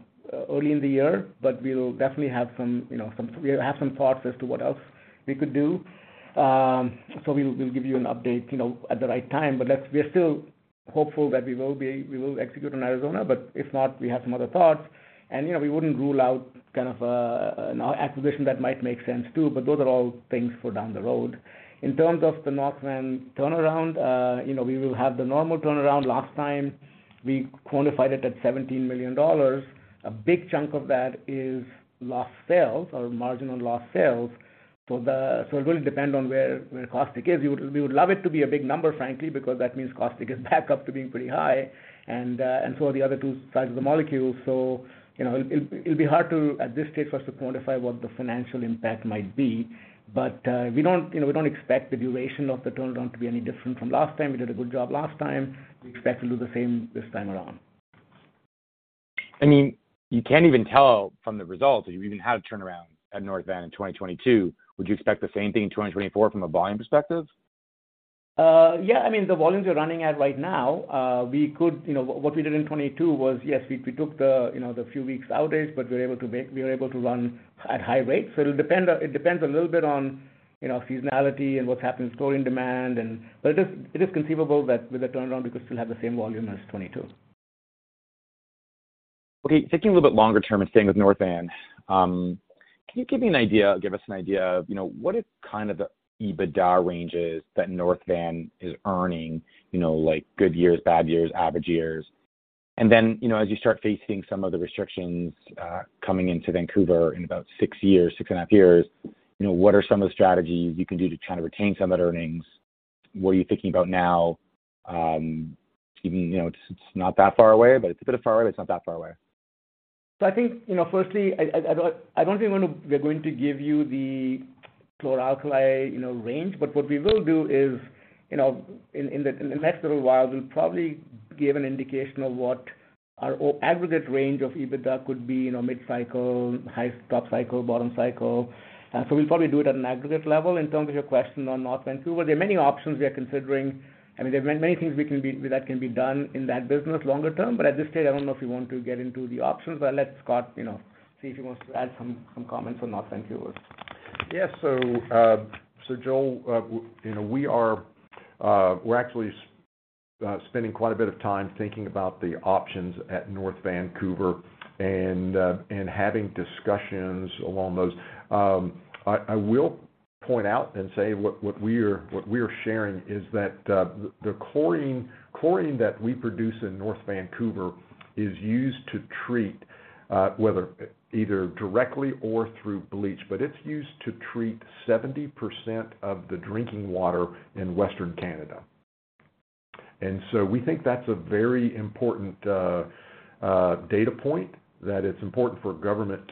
early in the year, but we'll definitely have some, you know, some, we'll have some thoughts as to what else we could do. We'll, we'll give you an update, you know, at the right time. We're still hopeful that we will be, we will execute on Arizona, but if not, we have some other thoughts. You know, we wouldn't rule out kind of a, an acquisition that might make sense too, but those are all things for down the road. In terms of the North Van turnaround, you know, we will have the normal turnaround. Last time we quantified it at $17 million. A big chunk of that is lost sales or marginal lost sales. It really depend on where, where caustic is. We would, we would love it to be a big number, frankly, because that means caustic is back up to being pretty high, and so are the other two sides of the molecule. You know, it'll, it'll be hard to, at this stage for us to quantify what the financial impact might be. We don't, you know, we don't expect the duration of the turnaround to be any different from last time. We did a good job last time. We expect to do the same this time around. I mean, you can't even tell from the results that you even had a turnaround at North Van in 2022. Would you expect the same thing in 2024 from a volume perspective? Yeah. I mean, the volumes we're running at right now, we could. You know, what we did in 2022 was, yes, we, we took the, you know, the few weeks outage, but we were able to run at high rates. It'll depend, it depends a little bit on, you know, seasonality and what's happening in chlorine demand and. It is, it is conceivable that with the turnaround, we could still have the same volume as 2022. Okay. Thinking a little bit longer term staying with North Van, can you give me an idea, or give us an idea of, you know, what is kind of the EBITDA ranges that North Van is earning? You know, like good years, bad years, average years. You know, as you start facing some of the restrictions, coming into Vancouver in about 6 years, 6.5 years, you know, what are some of the strategies you can do to try to retain some of that earnings? What are you thinking about now? Even, you know, it's not that far away, but it's a bit far away, but it's not that far away. I think, you know, firstly, I don't think we're going to give you the chlor-alkali, you know, range. What we will do is, you know, in the next little while, we'll probably give an indication of what our aggregate range of EBITDA could be, you know, mid-cycle, high, top cycle, bottom cycle. We'll probably do it at an aggregate level. In terms of your question on North Vancouver, there are many options we are considering. I mean, there are many things we can be, that can be done in that business longer term, but at this stage, I don't know if we want to get into the options. I'll let Scott, you know, see if he wants to add some comments on North Vancouver. Yeah. Joel, you know, we are, we're actually spending quite a bit of time thinking about the options at North Vancouver and having discussions along those. I, I will point out and say what, what we are, what we are sharing is that the chlorine, chlorine that we produce in North Vancouver is used to treat, whether either directly or through bleach, but it's used to treat 70% of the drinking water in Western Canada. We think that's a very important data point, that it's important for government,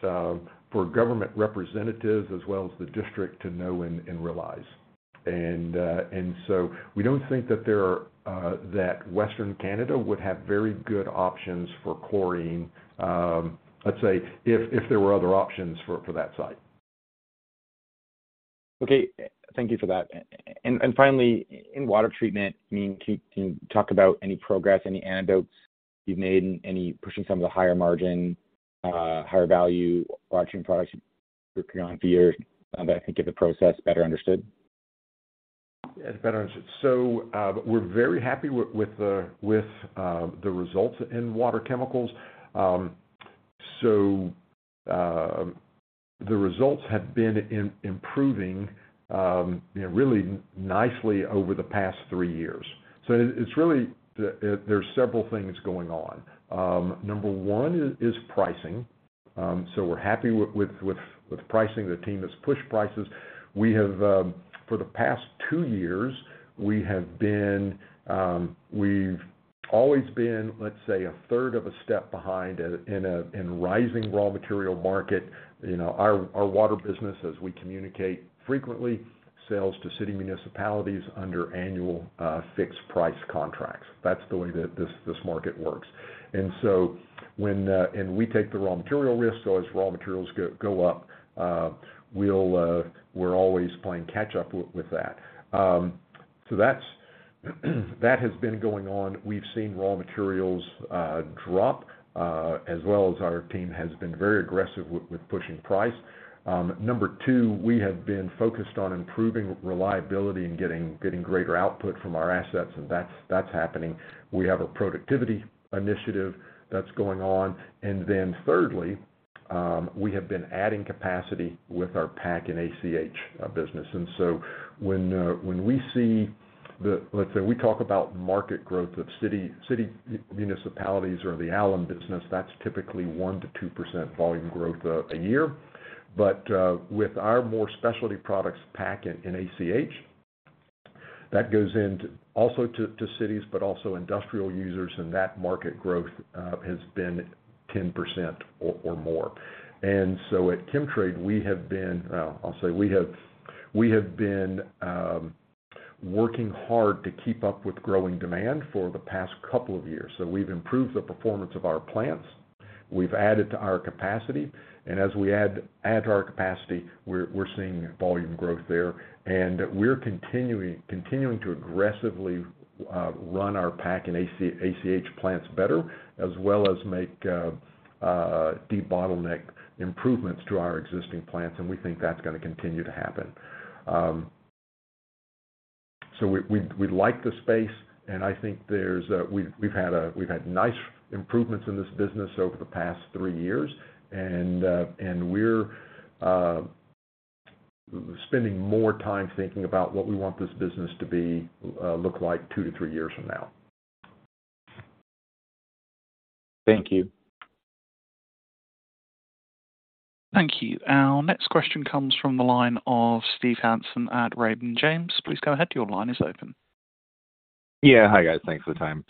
for government representatives as well as the district to know and realize. So we don't think that there, that Western Canada would have very good options for chlorine, let's say, if, if there were other options for, for that site. Okay. Thank you for that. Finally, in water treatment, can you talk about any progress, any anecdotes you've made in pushing some of the higher margin, higher value water treatment products you're working on for years, but I think of the process better understood? Yeah, better understood. We're very happy with, with the, with, the results in water chemicals. The results have been improving, really nicely over the past three years. It's really there's several things going on. Number one is, is pricing. We're happy with, with, with, with pricing. The team has pushed prices. We have, for the past two years, we have been, we've always been, let's say, a third of a step behind in a, in rising raw material market. You know, our, our Water business, as we communicate frequently, sells to city municipalities under annual, fixed price contracts. That's the way that this, this market works. When... We take the raw material risk, so as raw materials go, go up, we'll, we're always playing catch up with that. That's, that has been going on. We've seen raw materials drop, as well as our team has been very aggressive with pushing price. Number two, we have been focused on improving reliability and getting greater output from our assets, and that's happening. We have a productivity initiative that's going on. Thirdly, we have been adding capacity with our PAC and ACH business. When we see, let's say, we talk about market growth of city municipalities or the alum business, that's typically 1%-2% volume growth a year. With our more specialty products, PAC and ACH, that goes into also to, to cities, but also industrial users, and that market growth has been 10% or, or more. At Chemtrade, we have been, I'll say we have, we have been working hard to keep up with growing demand for the past couple of years. We've improved the performance of our plants. We've added to our capacity, and as we add, add to our capacity, we're, we're seeing volume growth there. We're continuing, continuing to aggressively run our PAC and ACH plants better, as well as make debottleneck improvements to our existing plants, and we think that's gonna continue to happen. We, we, we like the space, and I think there's we've, we've had we've had nice improvements in this business over the past three years, and we're spending more time thinking about what we want this business to be look like two to three years from now. Thank you. Thank you. Our next question comes from the line of Steven Hansen at Raymond James. Please go ahead. Your line is open. Yeah. Hi, guys. Thanks for the time.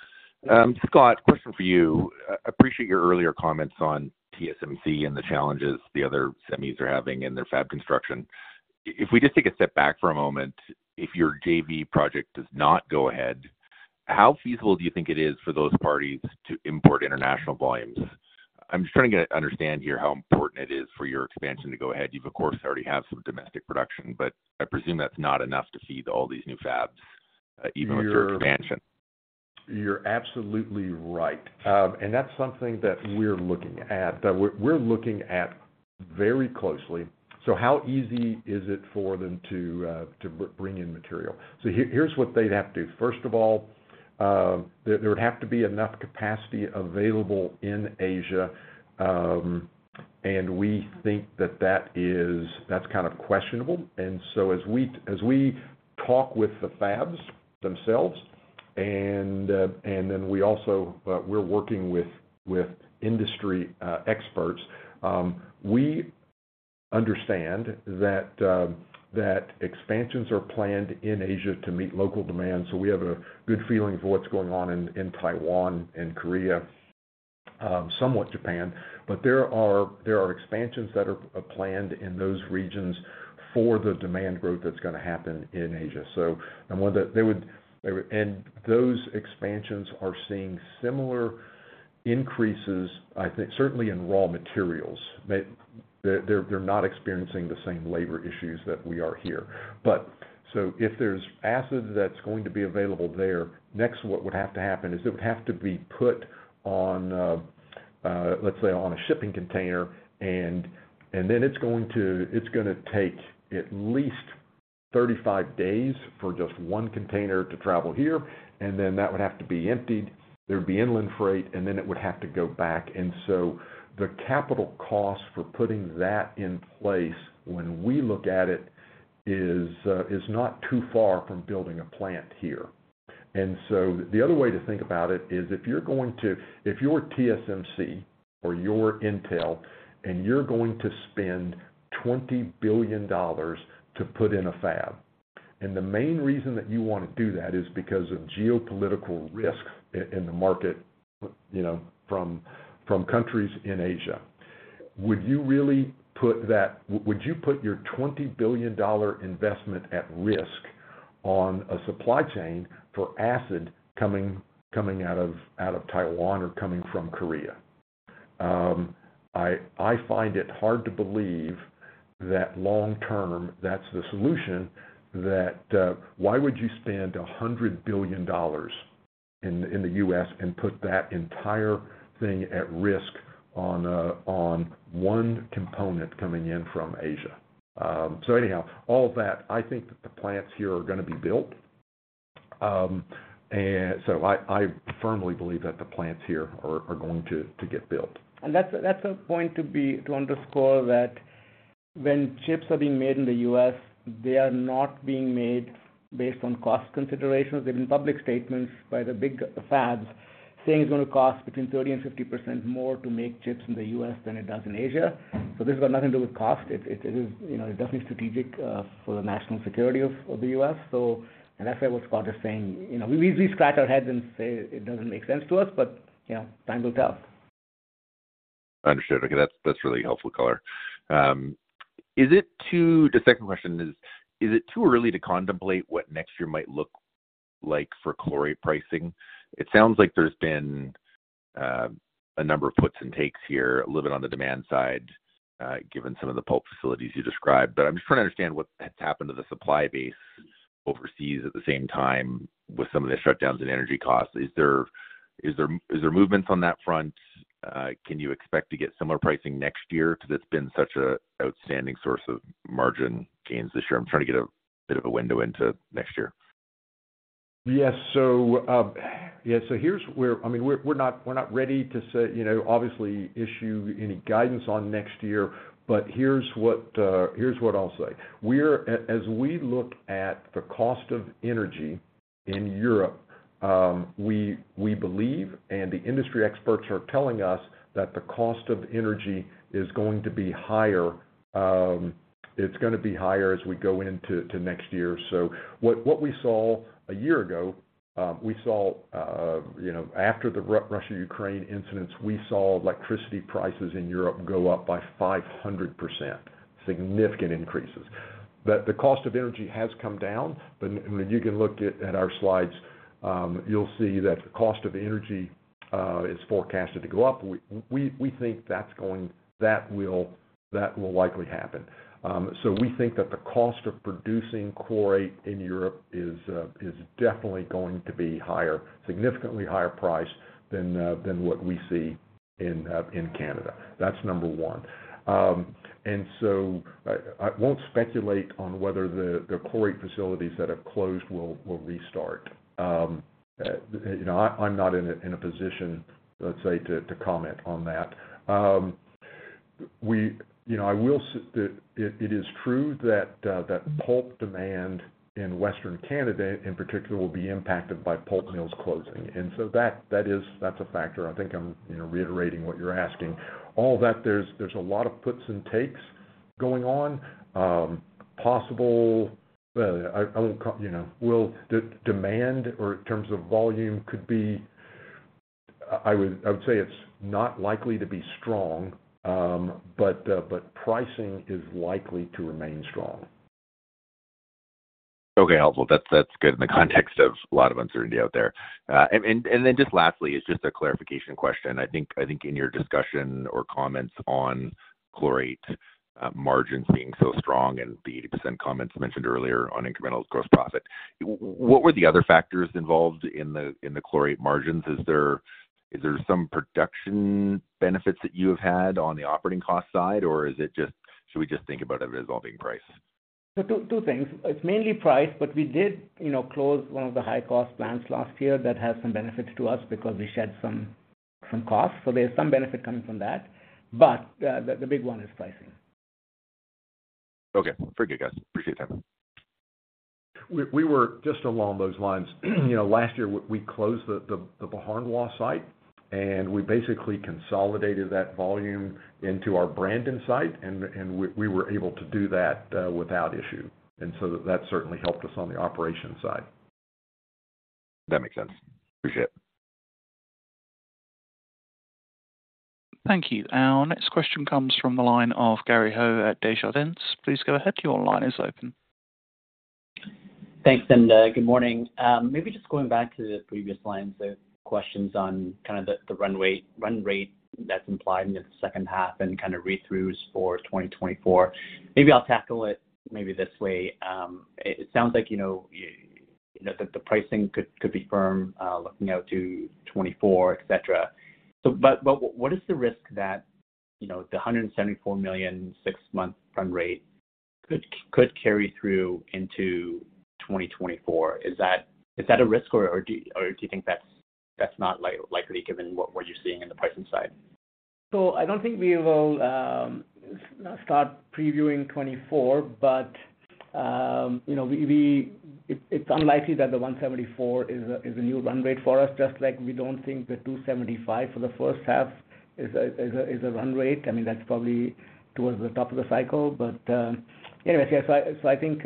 Scott, question for you. Appreciate your earlier comments on TSMC and the challenges the other semis are having in their fab construction. If we just take a step back for a moment, if your JV project does not go ahead, how feasible do you think it is for those parties to import international volumes? I'm just trying to get an understand here how important it is for your expansion to go ahead. You, of course, already have some domestic production, but I presume that's not enough to feed all these new fabs, even with your expansion. You're absolutely right. And that's something that we're looking at, that we're, we're looking at very closely. How easy is it for them to bring in material? Here, here's what they'd have to do. First of all, there, there would have to be enough capacity available in Asia. And we think that that is, that's kind of questionable. As we, as we talk with the fabs themselves, and then we also, we're working with industry experts, we understand that expansions are planned in Asia to meet local demand. We have a good feeling for what's going on in Taiwan and Korea, somewhat Japan. There are, there are expansions that are planned in those regions for the demand growth that's gonna happen in Asia. Those expansions are seeing similar increases, I think, certainly in raw materials. They, they're, they're not experiencing the same labor issues that we are here. If there's acid that's going to be available there, next, what would have to happen is it would have to be put on, let's say, on a shipping container, then it's gonna take at least 35 days for just one container to travel here, and then that would have to be emptied. There'd be inland freight, and then it would have to go back. The capital cost for putting that in place, when we look at it, is not too far from building a plant here. The other way to think about it is if you're TSMC or you're Intel, and you're going to spend $20 billion to put in a fab, and the main reason that you want to do that is because of geopolitical risk in the market, you know, from countries in Asia. Would you really put your $20 billion investment at risk on a supply chain for acid coming out of Taiwan or coming from Korea? I find it hard to believe that long term, that's the solution, that why would you spend $100 billion in the U.S. and put that entire thing at risk on one component coming in from Asia? Anyhow, all of that, I think that the plants here are gonna be built. So I, I firmly believe that the plants here are, are going to, to get built. That's a, that's a point to underscore that when chips are being made in the U.S., they are not being made based on cost considerations. There have been public statements by the big fabs, saying it's gonna cost between 30% and 50% more to make chips in the U.S. than it does in Asia. This has got nothing to do with cost. It, it is, you know, definitely strategic for the national security of, of the U.S. That's why what Scott is saying, you know, we usually scratch our heads and say it doesn't make sense to us, but, you know, time will tell. Understood. Okay, that's, that's really helpful color. The second question is: Is it too early to contemplate what next year might look like for chlorate pricing? It sounds like there's been a number of puts and takes here, a little bit on the demand side, given some of the pulp facilities you described. I'm just trying to understand what has happened to the supply base overseas at the same time with some of the shutdowns and energy costs. Is there, is there, is there movements on that front? Can you expect to get similar pricing next year, because it's been such a outstanding source of margin gains this year? I'm trying to get a bit of a window into next year. Yes. Yeah, I mean, we're, we're not, we're not ready to say, you know, obviously issue any guidance on next year, but here's what, here's what I'll say: As we look at the cost of energy in Europe, we, we believe, and the industry experts are telling us, that the cost of energy is going to be higher, it's gonna be higher as we go into next year. What, what we saw a year ago, we saw, you know, after the Russia-Ukraine incidents, we saw electricity prices in Europe go up by 500%. Significant increases. The cost of energy has come down, but when you can look at, at our slides, you'll see that the cost of energy is forecasted to go up. We, we, we think that's going-- that will, that will likely happen. So we think that the cost of producing chlorate in Europe is definitely going to be higher, significantly higher priced than what we see in Canada. That's number one. So I, I won't speculate on whether the, the chlorate facilities that have closed will, will restart. You know, I, I'm not in a position, let's say, to, to comment on that. You know, I will say that it, it is true that pulp demand in Western Canada, in particular, will be impacted by pulp mills closing. That, that is, that's a factor. I think I'm, you know, reiterating what you're asking. All that, there's, there's a lot of puts and takes going on, possible, you know. Will the demand or in terms of volume could be? I would say it's not likely to be strong, but pricing is likely to remain strong. Okay, helpful. That's, that's good in the context of a lot of uncertainty out there. Then just lastly, it's just a clarification question. I think, I think in your discussion or comments on chlorate, margins being so strong and the 80% comments you mentioned earlier on incremental gross profit, what were the other factors involved in the, in the chlorate margins? Is there, is there some production benefits that you have had on the operating cost side, or is it just should we just think about it as all being price? 2, 2 things. It's mainly price, but we did, you know, close 1 of the high-cost plants last year. That has some benefits to us because we shed some, some costs, so there's some benefit coming from that. The, the big 1 is pricing. Okay. Very good, guys. Appreciate your time. We, we were just along those lines. You know, last year, we, we closed the Beauharnois site, and we basically consolidated that volume into our Brandon site, and we, we were able to do that without issue. So that certainly helped us on the operations side. That makes sense. Appreciate it. Thank you. Our next question comes from the line of Gary Ho at Desjardins. Please go ahead. Your line is open. Thanks. Good morning. Maybe just going back to the previous lines of questions on kind of the run rate that's implied in the second half and kind of read-throughs for 2024. Maybe I'll tackle it maybe this way. It, it sounds like, you know, you know, the pricing could, could be firm, looking out to 2024, et cetera. But what is the risk that, you know, the 174 million six-month run rate could, could carry through into 2024? Is that, is that a risk, or, or do, or do you think that's, that's not likely, given what, what you're seeing in the pricing side? I don't think we will start previewing 2024, you know, we, we, it, it's unlikely that the 174 is a, is a new run rate for us, just like we don't think the 275 for the first half is a, is a, is a run rate. I mean, that's probably towards the top of the cycle. Anyways, yes, so I, so I think,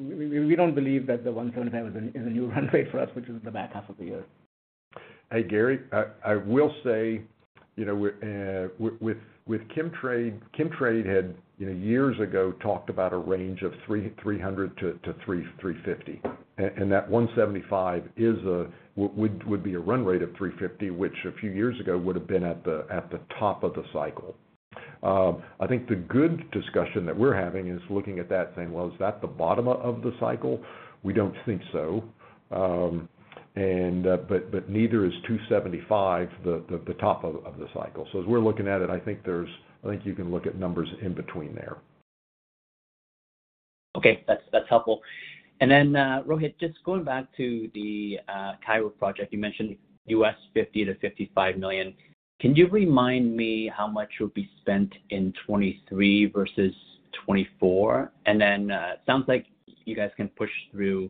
we, we don't believe that the 175 is a, is a new run rate for us, which is the back half of the year. Hey, Gary, I will say, you know, with Chemtrade, Chemtrade had, you know, years ago talked about a range of 300-350. That 175 would be a run rate of 350, which a few years ago would have been at the top of the cycle. I think the good discussion that we're having is looking at that and saying, "Well, is that the bottom of the cycle?" We don't think so. Neither is 275 the top of the cycle. As we're looking at it, I think you can look at numbers in between there. Okay. That's, that's helpful. Then, Rohit, just going back to the Cairo project, you mentioned $50 million-$55 million. Can you remind me how much will be spent in 2023 versus 2024? Then, it sounds like you guys can push through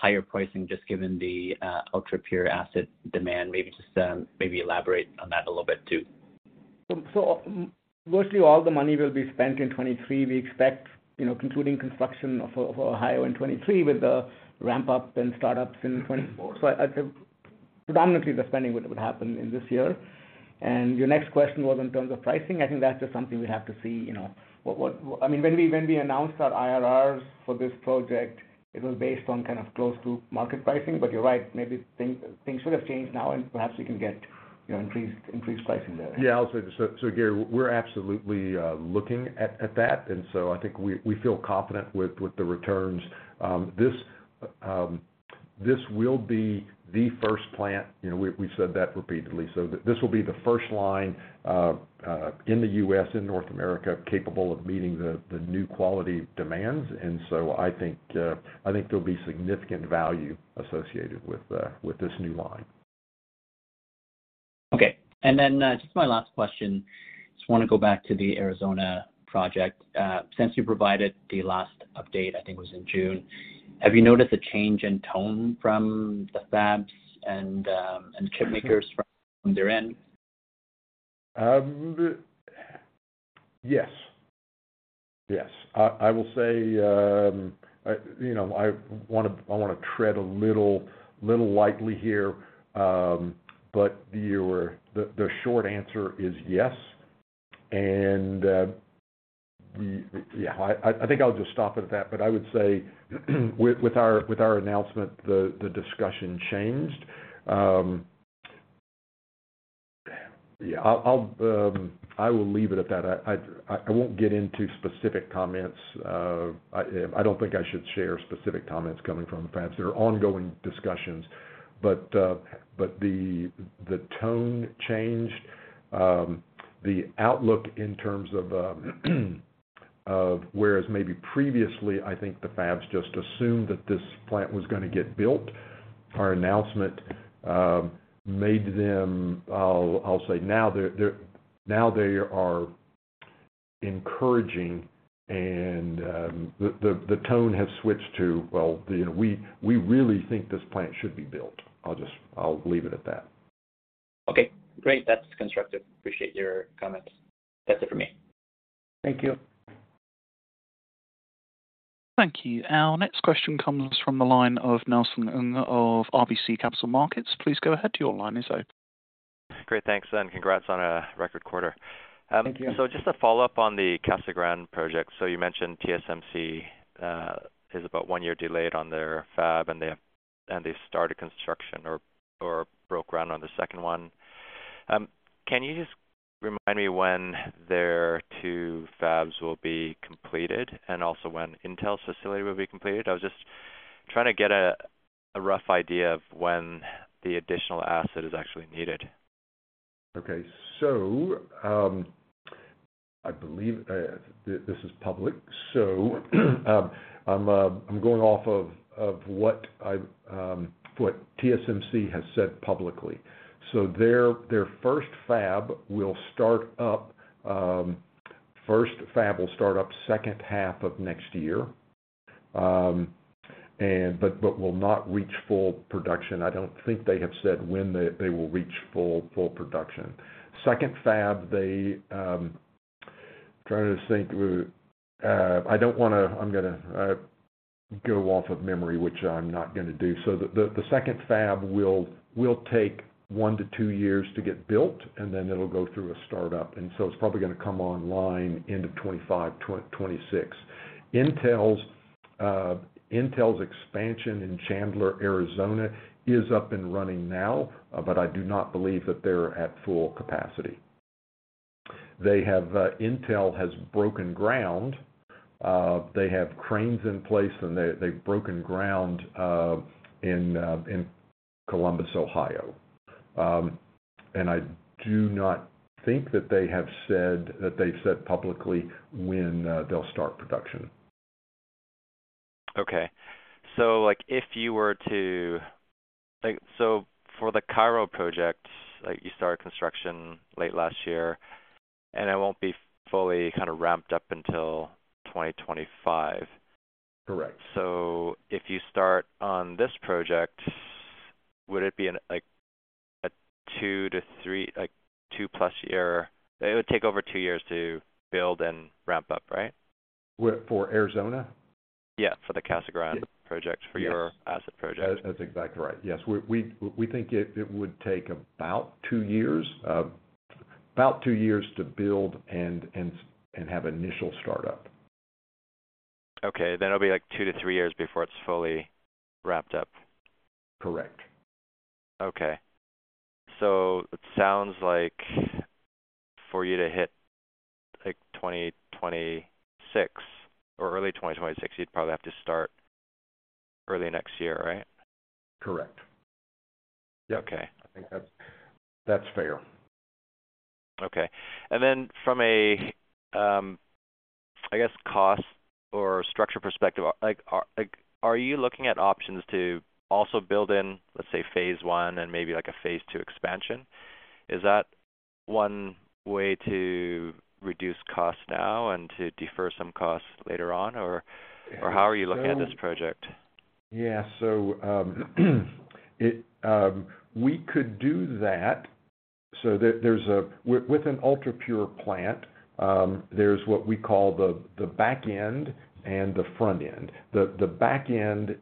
higher pricing, just given the UltraPure asset demand. Maybe just, maybe elaborate on that a little bit, too. So mostly all the money will be spent in 2023. We expect, you know, concluding construction of, of Cairo, Ohio in 2023, with the ramp-up and start-ups in 2024. I predominantly, the spending would, would happen in this year. Your next question was in terms of pricing. I think that's just something we have to see, you know, what I mean, when we, when we announced our IRRs for this project, it was based on kind of close to market pricing, but you're right. Maybe things, things would have changed now, and perhaps we can get, you know, increased, increased pricing there. Yeah, I'll say this. Gary, we're absolutely looking at, at that, I think we, we feel confident with, with the returns. This, this will be the first plant, you know, we, we've said that repeatedly, so this will be the first line in the U.S., in North America, capable of meeting the new quality demands. I think, I think there'll be significant value associated with this new line. Okay. Just my last question, just wanna go back to the Arizona project. Since you provided the last update, I think it was in June, have you noticed a change in tone from the fabs and chipmakers from their end? Yes. Yes. I, I will say, I, you know, I wanna, I wanna tread a little, little lightly here, but the, the short answer is yes. Yeah, I, I think I'll just stop at that, but I would say, with, with our, with our announcement, the, the discussion changed. Yeah, I'll, I'll, I will leave it at that. I, I, I won't get into specific comments. I, I don't think I should share specific comments coming from the fabs. There are ongoing discussions, but, but the, the tone changed. The outlook in terms of, of whereas maybe previously, I think the fabs just assumed that this plant was gonna get built. Our announcement made them... I'll say now they're now they are encouraging and, the tone has switched to, "Well, you know, we, we really think this plant should be built." I'll leave it at that. Okay, great. That's constructive. Appreciate your comments. That's it for me. Thank you. Thank you. Our next question comes from the line of Nelson Ng of RBC Capital Markets. Please go ahead. Your line is open. Great. Thanks, and congrats on a record quarter. Thank you. Just a follow-up on the Casa Grande project. You mentioned TSMC is about one year delayed on their fab, and they, and they started construction or, or broke ground on the second one. Can you just remind me when their two fabs will be completed, and also when Intel's facility will be completed? I was just trying to get a rough idea of when the additional asset is actually needed. Okay, I believe this is public. I'm going off of what I've what TSMC has said publicly. Their first fab will start up, first fab will start up second half of next year, but will not reach full production. I don't think they have said when they will reach full production. Second fab, they, I'm trying to think. I'm gonna go off of memory, which I'm not gonna do. The second fab will take 1 to 2 years to get built, then it'll go through a start-up, so it's probably gonna come online end of 2025, 2026. Intel's Intel's expansion in Chandler, Arizona, is up and running now, but I do not believe that they're at full capacity. They have Intel has broken ground. They have cranes in place, and they they've broken ground in Columbus, Ohio. I do not think that they have said that they've said publicly when they'll start production. Okay. Like, for the Cairo project, like, you started construction late last year, and it won't be fully kind of ramped up until 2025. Correct. If you start on this project, would it be an, like, a 2-3, like, 2+ year? It would take over 2 years to build and ramp up, right? For Arizona? Yeah, for the Casa Grande project- Yes. For your asset project. That's, that's exactly right. Yes. We think it, it would take about 2 years, about 2 years to build and, and, and have initial startup. Okay. It'll be, like, 2 to 3 years before it's fully wrapped up. Correct. Okay. It sounds like for you to hit, like, 2026 or early 2026, you'd probably have to start early next year, right? Correct. Yeah. Okay. I think that's, that's fair. Okay. Then from a, I guess, cost or structure perspective, like, are, like, are you looking at options to also build in, let's say, phase one and maybe like a phase two expansion? Is that one way to reduce costs now and to defer some costs later on, or- Yeah. How are you looking at this project? Yeah, so, it, we could do that. There's with an UltraPure plant, there's what we call the back end and the front end. The back end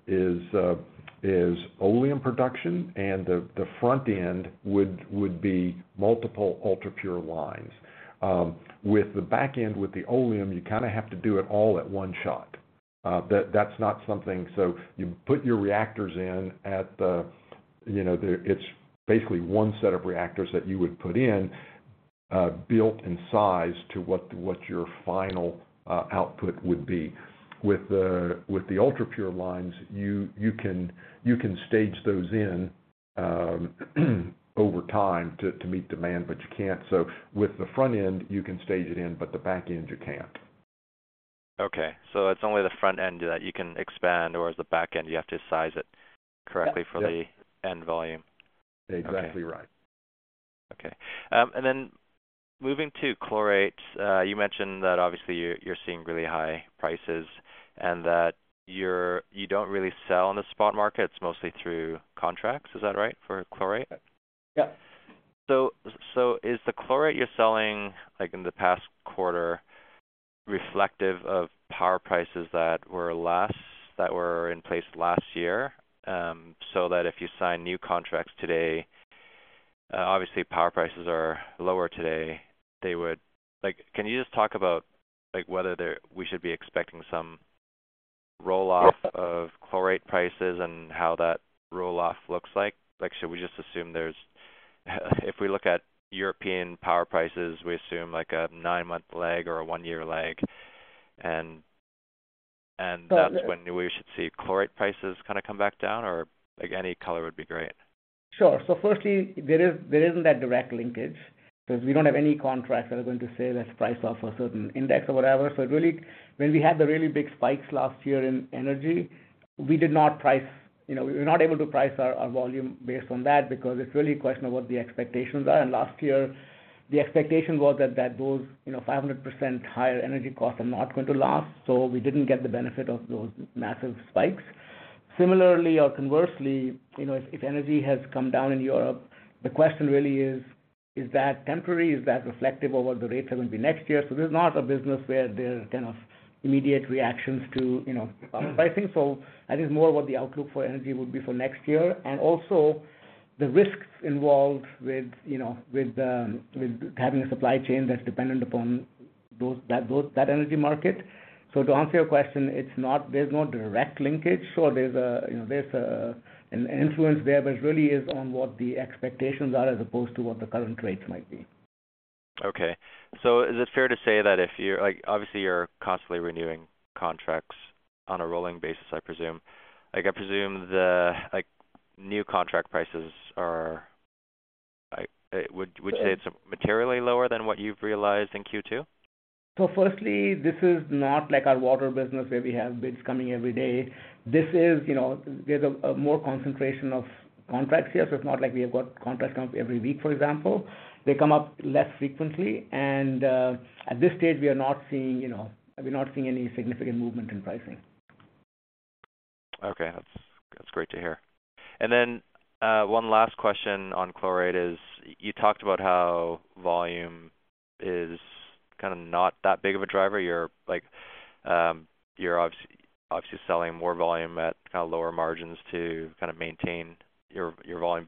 is oleum production, and the front end would be multiple UltraPure lines. With the back end, with the oleum, you kind of have to do it all at one shot. That's not something. You put your reactors in at the, you know, the it's basically one set of reactors that you would put in, built in size to what your final output would be. With the UltraPure lines, you can stage those in, over time to meet demand, but you can't. With the front end, you can stage it in, but the back end, you can't. Okay, it's only the front end that you can expand, or is the back end, you have to size it correctly? Yeah, yeah. for the end volume? Exactly right. Okay. Then moving to chlorate, you mentioned that obviously you're, you're seeing really high prices and that you don't really sell on the spot market. It's mostly through contracts. Is that right, for chlorate? Yeah. So is the chlorate you're selling, like in the past quarter, reflective of power prices that were last, that were in place last year? That if you sign new contracts today, obviously, power prices are lower today, they would... Can you just talk about, like, whether there, we should be expecting some roll-off- Yeah. of chlorate prices and how that roll-off looks like? Like, should we just assume there's, if we look at European power prices, we assume, like, a 9-month lag or a 1-year lag, and, and? So the- That's when we should see chlorate prices kind of come back down, or like, any color would be great. Sure. Firstly, there is, there isn't that direct linkage because we don't have any contracts that are going to say that's priced off a certain index or whatever. Really, when we had the really big spikes last year in energy, we did not price, you know, we were not able to price our, our volume based on that because it's really a question of what the expectations are. Last year, the expectation was that, that those, you know, 500% higher energy costs are not going to last, so we didn't get the benefit of those massive spikes. Similarly or conversely, you know, if, if energy has come down in Europe, the question really is, is that temporary? Is that reflective of what the rates are going to be next year? This is not a business where there's kind of immediate reactions to, you know, but I think so I think it's more what the outlook for energy would be for next year, and also the risks involved with, you know, with, with having a supply chain that's dependent upon those, that those, that energy market. To answer your question, it's not, there's no direct linkage. There's a, you know, there's a, an influence there, but it really is on what the expectations are as opposed to what the current rates might be. Okay. Is it fair to say that if you're -- like, obviously, you're constantly renewing contracts on a rolling basis, I presume. Like, I presume the, like, new contract prices are, would, would you say it's materially lower than what you've realized in Q2? Firstly, this is not like our water business, where we have bids coming every day. This is, you know, there's a more concentration of contracts here. It's not like we have got contracts coming every week, for example. They come up less frequently, and at this stage, we are not seeing, you know, we're not seeing any significant movement in pricing. Okay. That's, that's great to hear. Then, one last question on chlorate is: you talked about how volume is kind of not that big of a driver. You're like, you're obviously, obviously selling more volume at kind of lower margins to kind of maintain your, your volume.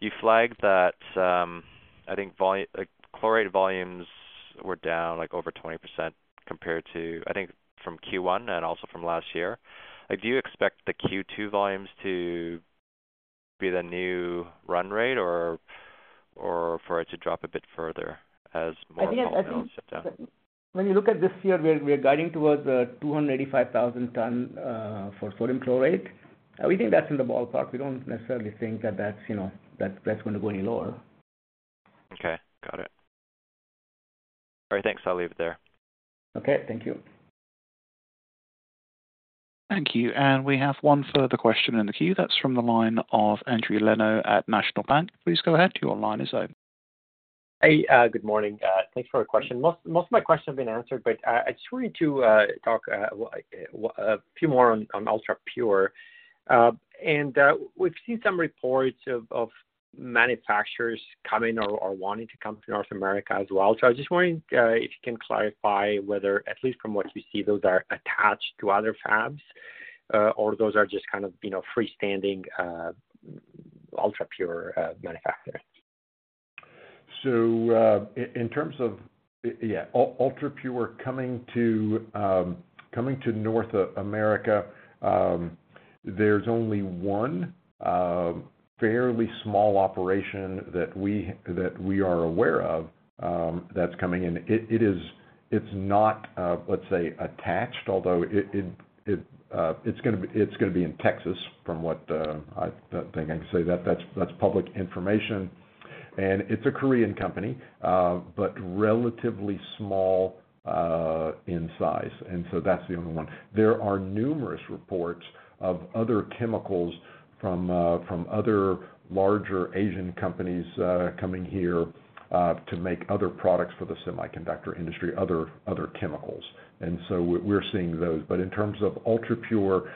You flagged that, I think, like, chlorate volumes were down, like, over 20% compared to, I think, from Q1 and also from last year. Do you expect the Q2 volumes to be the new run rate, or, or for it to drop a bit further as more volumes shut down? When you look at this year, we're guiding towards 285,000 tons for sodium chlorate. We think that's in the ballpark. We don't necessarily think that that's, you know, that's, that's going to go any lower. Okay. Got it. All right, thanks. I'll leave it there. Okay. Thank you. Thank you. We have one further question in the queue. That's from the line of Endri Leno at National Bank. Please go ahead. Your line is open. Hey, good morning. Thanks for your question. Most, most of my questions have been answered, but I just wanted to talk a few more on UltraPure. We've seen some reports of manufacturers coming or wanting to come to North America as well. I was just wondering if you can clarify whether, at least from what you see, those are attached to other fabs, or those are just kind of, you know, freestanding UltraPure manufacturers? In, in terms of, yeah, ul- UltraPure coming to, coming to North America, there's only one fairly small operation that we, that we are aware of, that's coming in. It, it is, it's not, let's say, attached, although it, it, it, it's gonna be, it's gonna be in Texas from what, I think I can say that. That's, that's public information. It's a Korean company, but relatively small in size, and so that's the only one. There are numerous reports of other chemicals from, from other larger Asian companies, coming here, to make other products for the semiconductor industry, other, other chemicals. We- we're seeing those. In terms of UltraPure,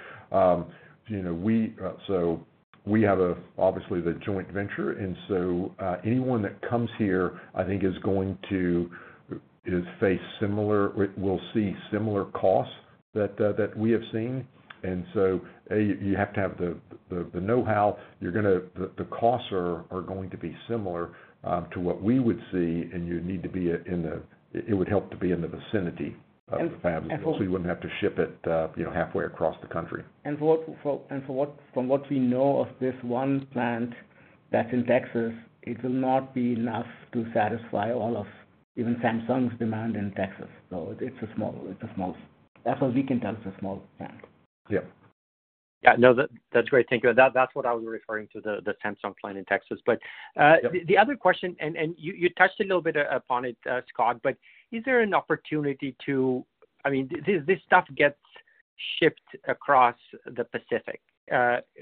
you know, we, so we have obviously the joint venture, anyone that comes here, I think is going to, is face similar will see similar costs that, that we have seen. You, you have to have the, the, the know-how. You're gonna. The costs are going to be similar, to what we would see, and you need to be. It would help to be in the vicinity of the fab. And for- you wouldn't have to ship it, you know, halfway across the country. What-- from what we know of this one plant that's in Texas, it will not be enough to satisfy all of even Samsung's demand in Texas. It's a small, it's a small. That's what we can tell, it's a small plant. Yeah. Yeah. No, that- that's great. Thank you. That, that's what I was referring to, the, the Samsung plant in Texas. Yeah. The other question, and you touched a little bit upon it, Scott, but is there an opportunity to... I mean, this, this stuff gets shipped across the Pacific.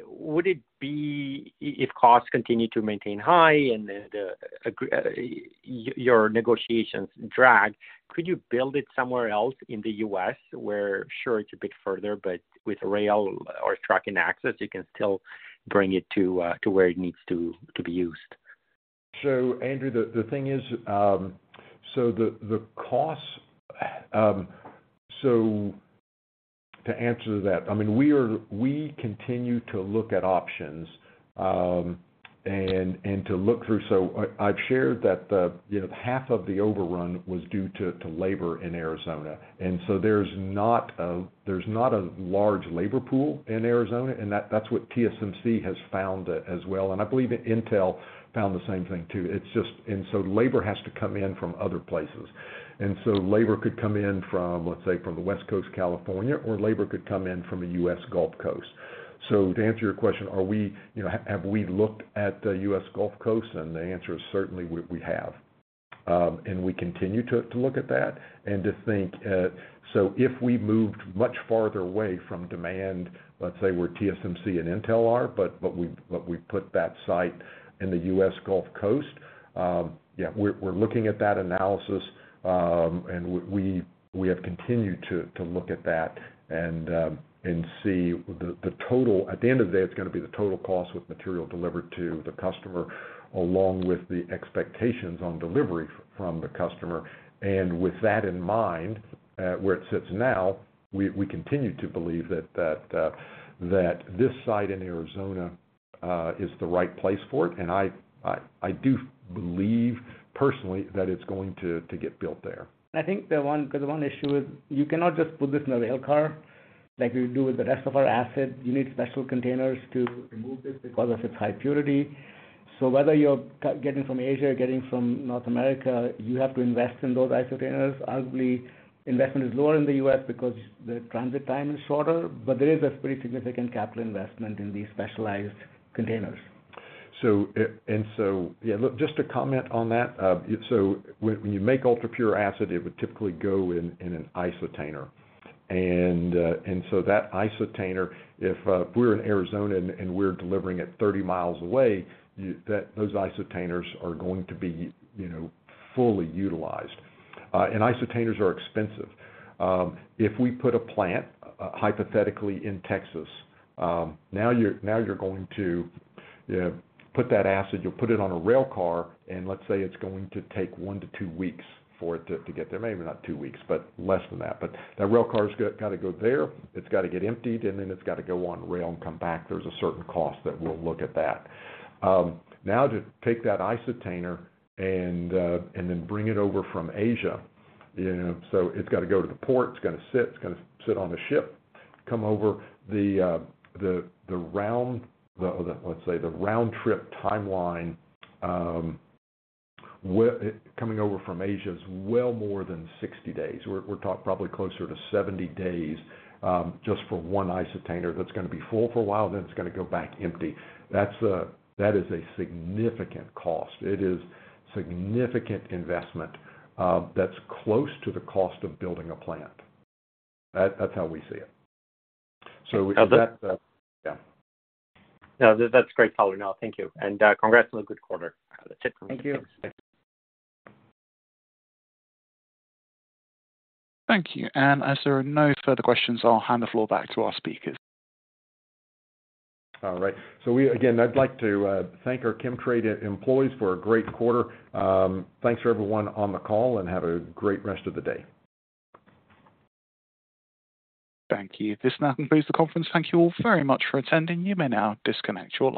Would it be, if costs continue to maintain high and the, your negotiations drag, could you build it somewhere else in the U.S., where, sure, it's a bit further, but with rail or trucking access, you can still bring it to, to where it needs to, to be used? Endri, the thing is, the costs. To answer that, I mean, we are, we continue to look at options, and, and to look through. I, I've shared that the, you know, half of the overrun was due to, to labor in Arizona, and so there's not a, there's not a large labor pool in Arizona, and that's what TSMC has found as well. I believe Intel found the same thing, too. Labor has to come in from other places. Labor could come in from, let's say, from the West Coast, California, or labor could come in from the U.S. Gulf Coast. To answer your question, are we, you know, have, have we looked at the U.S. Gulf Coast? The answer is certainly, we, we have. We continue to, to look at that and to think, if we moved much farther away from demand, let's say, where TSMC and Intel are, but, but we, but we put that site in the U.S. Gulf Coast, yeah, we're, we're looking at that analysis. We, we have continued to, to look at that and, and see the, the total at the end of the day, it's gonna be the total cost with material delivered to the customer, along with the expectations on delivery from the customer. With that in mind, where it sits now, we, we continue to believe that, that, that this site in Arizona, is the right place for it. I, I, I do believe personally, that it's going to, to get built there. I think because the one issue is you cannot just put this in a rail car, like we do with the rest of our assets. You need special containers to move this because of its high purity. Whether you're getting from Asia or getting from North America, you have to invest in those isotainers. Obviously, investment is lower in the U.S. because the transit time is shorter, but there is a pretty significant capital investment in these specialized containers. Just to comment on that, when you make UltraPure acid, it would typically go in an isotainer. That isotainer, if we're in Arizona and we're delivering it 30 miles away, those isotainers are going to be, you know, fully utilized. Isotainers are expensive. If we put a plant, hypothetically, in Texas, now you're, now you're going to put that acid, you'll put it on a rail car, and let's say it's going to take 1-2 weeks for it to get there. Maybe not 2 weeks, but less than that. That rail car's gotta go there. It's gotta get emptied, and then it's gotta go on rail and come back. There's a certain cost that we'll look at that. Now to take that isotainer and then bring it over from Asia, you know, so it's gotta go to the port. It's gotta sit, it's gotta sit on a ship, come over the, the round, the, the, let's say, the round-trip timeline. Coming over from Asia is well more than 60 days. We're talking probably closer to 70 days, just for 1 isotainer that's gonna be full for a while, then it's gonna go back empty. That is a significant cost. It is significant investment that's close to the cost of building a plant. That's how we see it. That's, yeah. No, that's great, color. No, thank you. Congrats on a good quarter. That's it for me. Thank you. Thank you. As there are no further questions, I'll hand the floor back to our speakers. All right. Again, I'd like to thank our Chemtrade employees for a great quarter. Thanks for everyone on the call, and have a great rest of the day. Thank you. This now concludes the conference. Thank you all very much for attending. You may now disconnect your lines.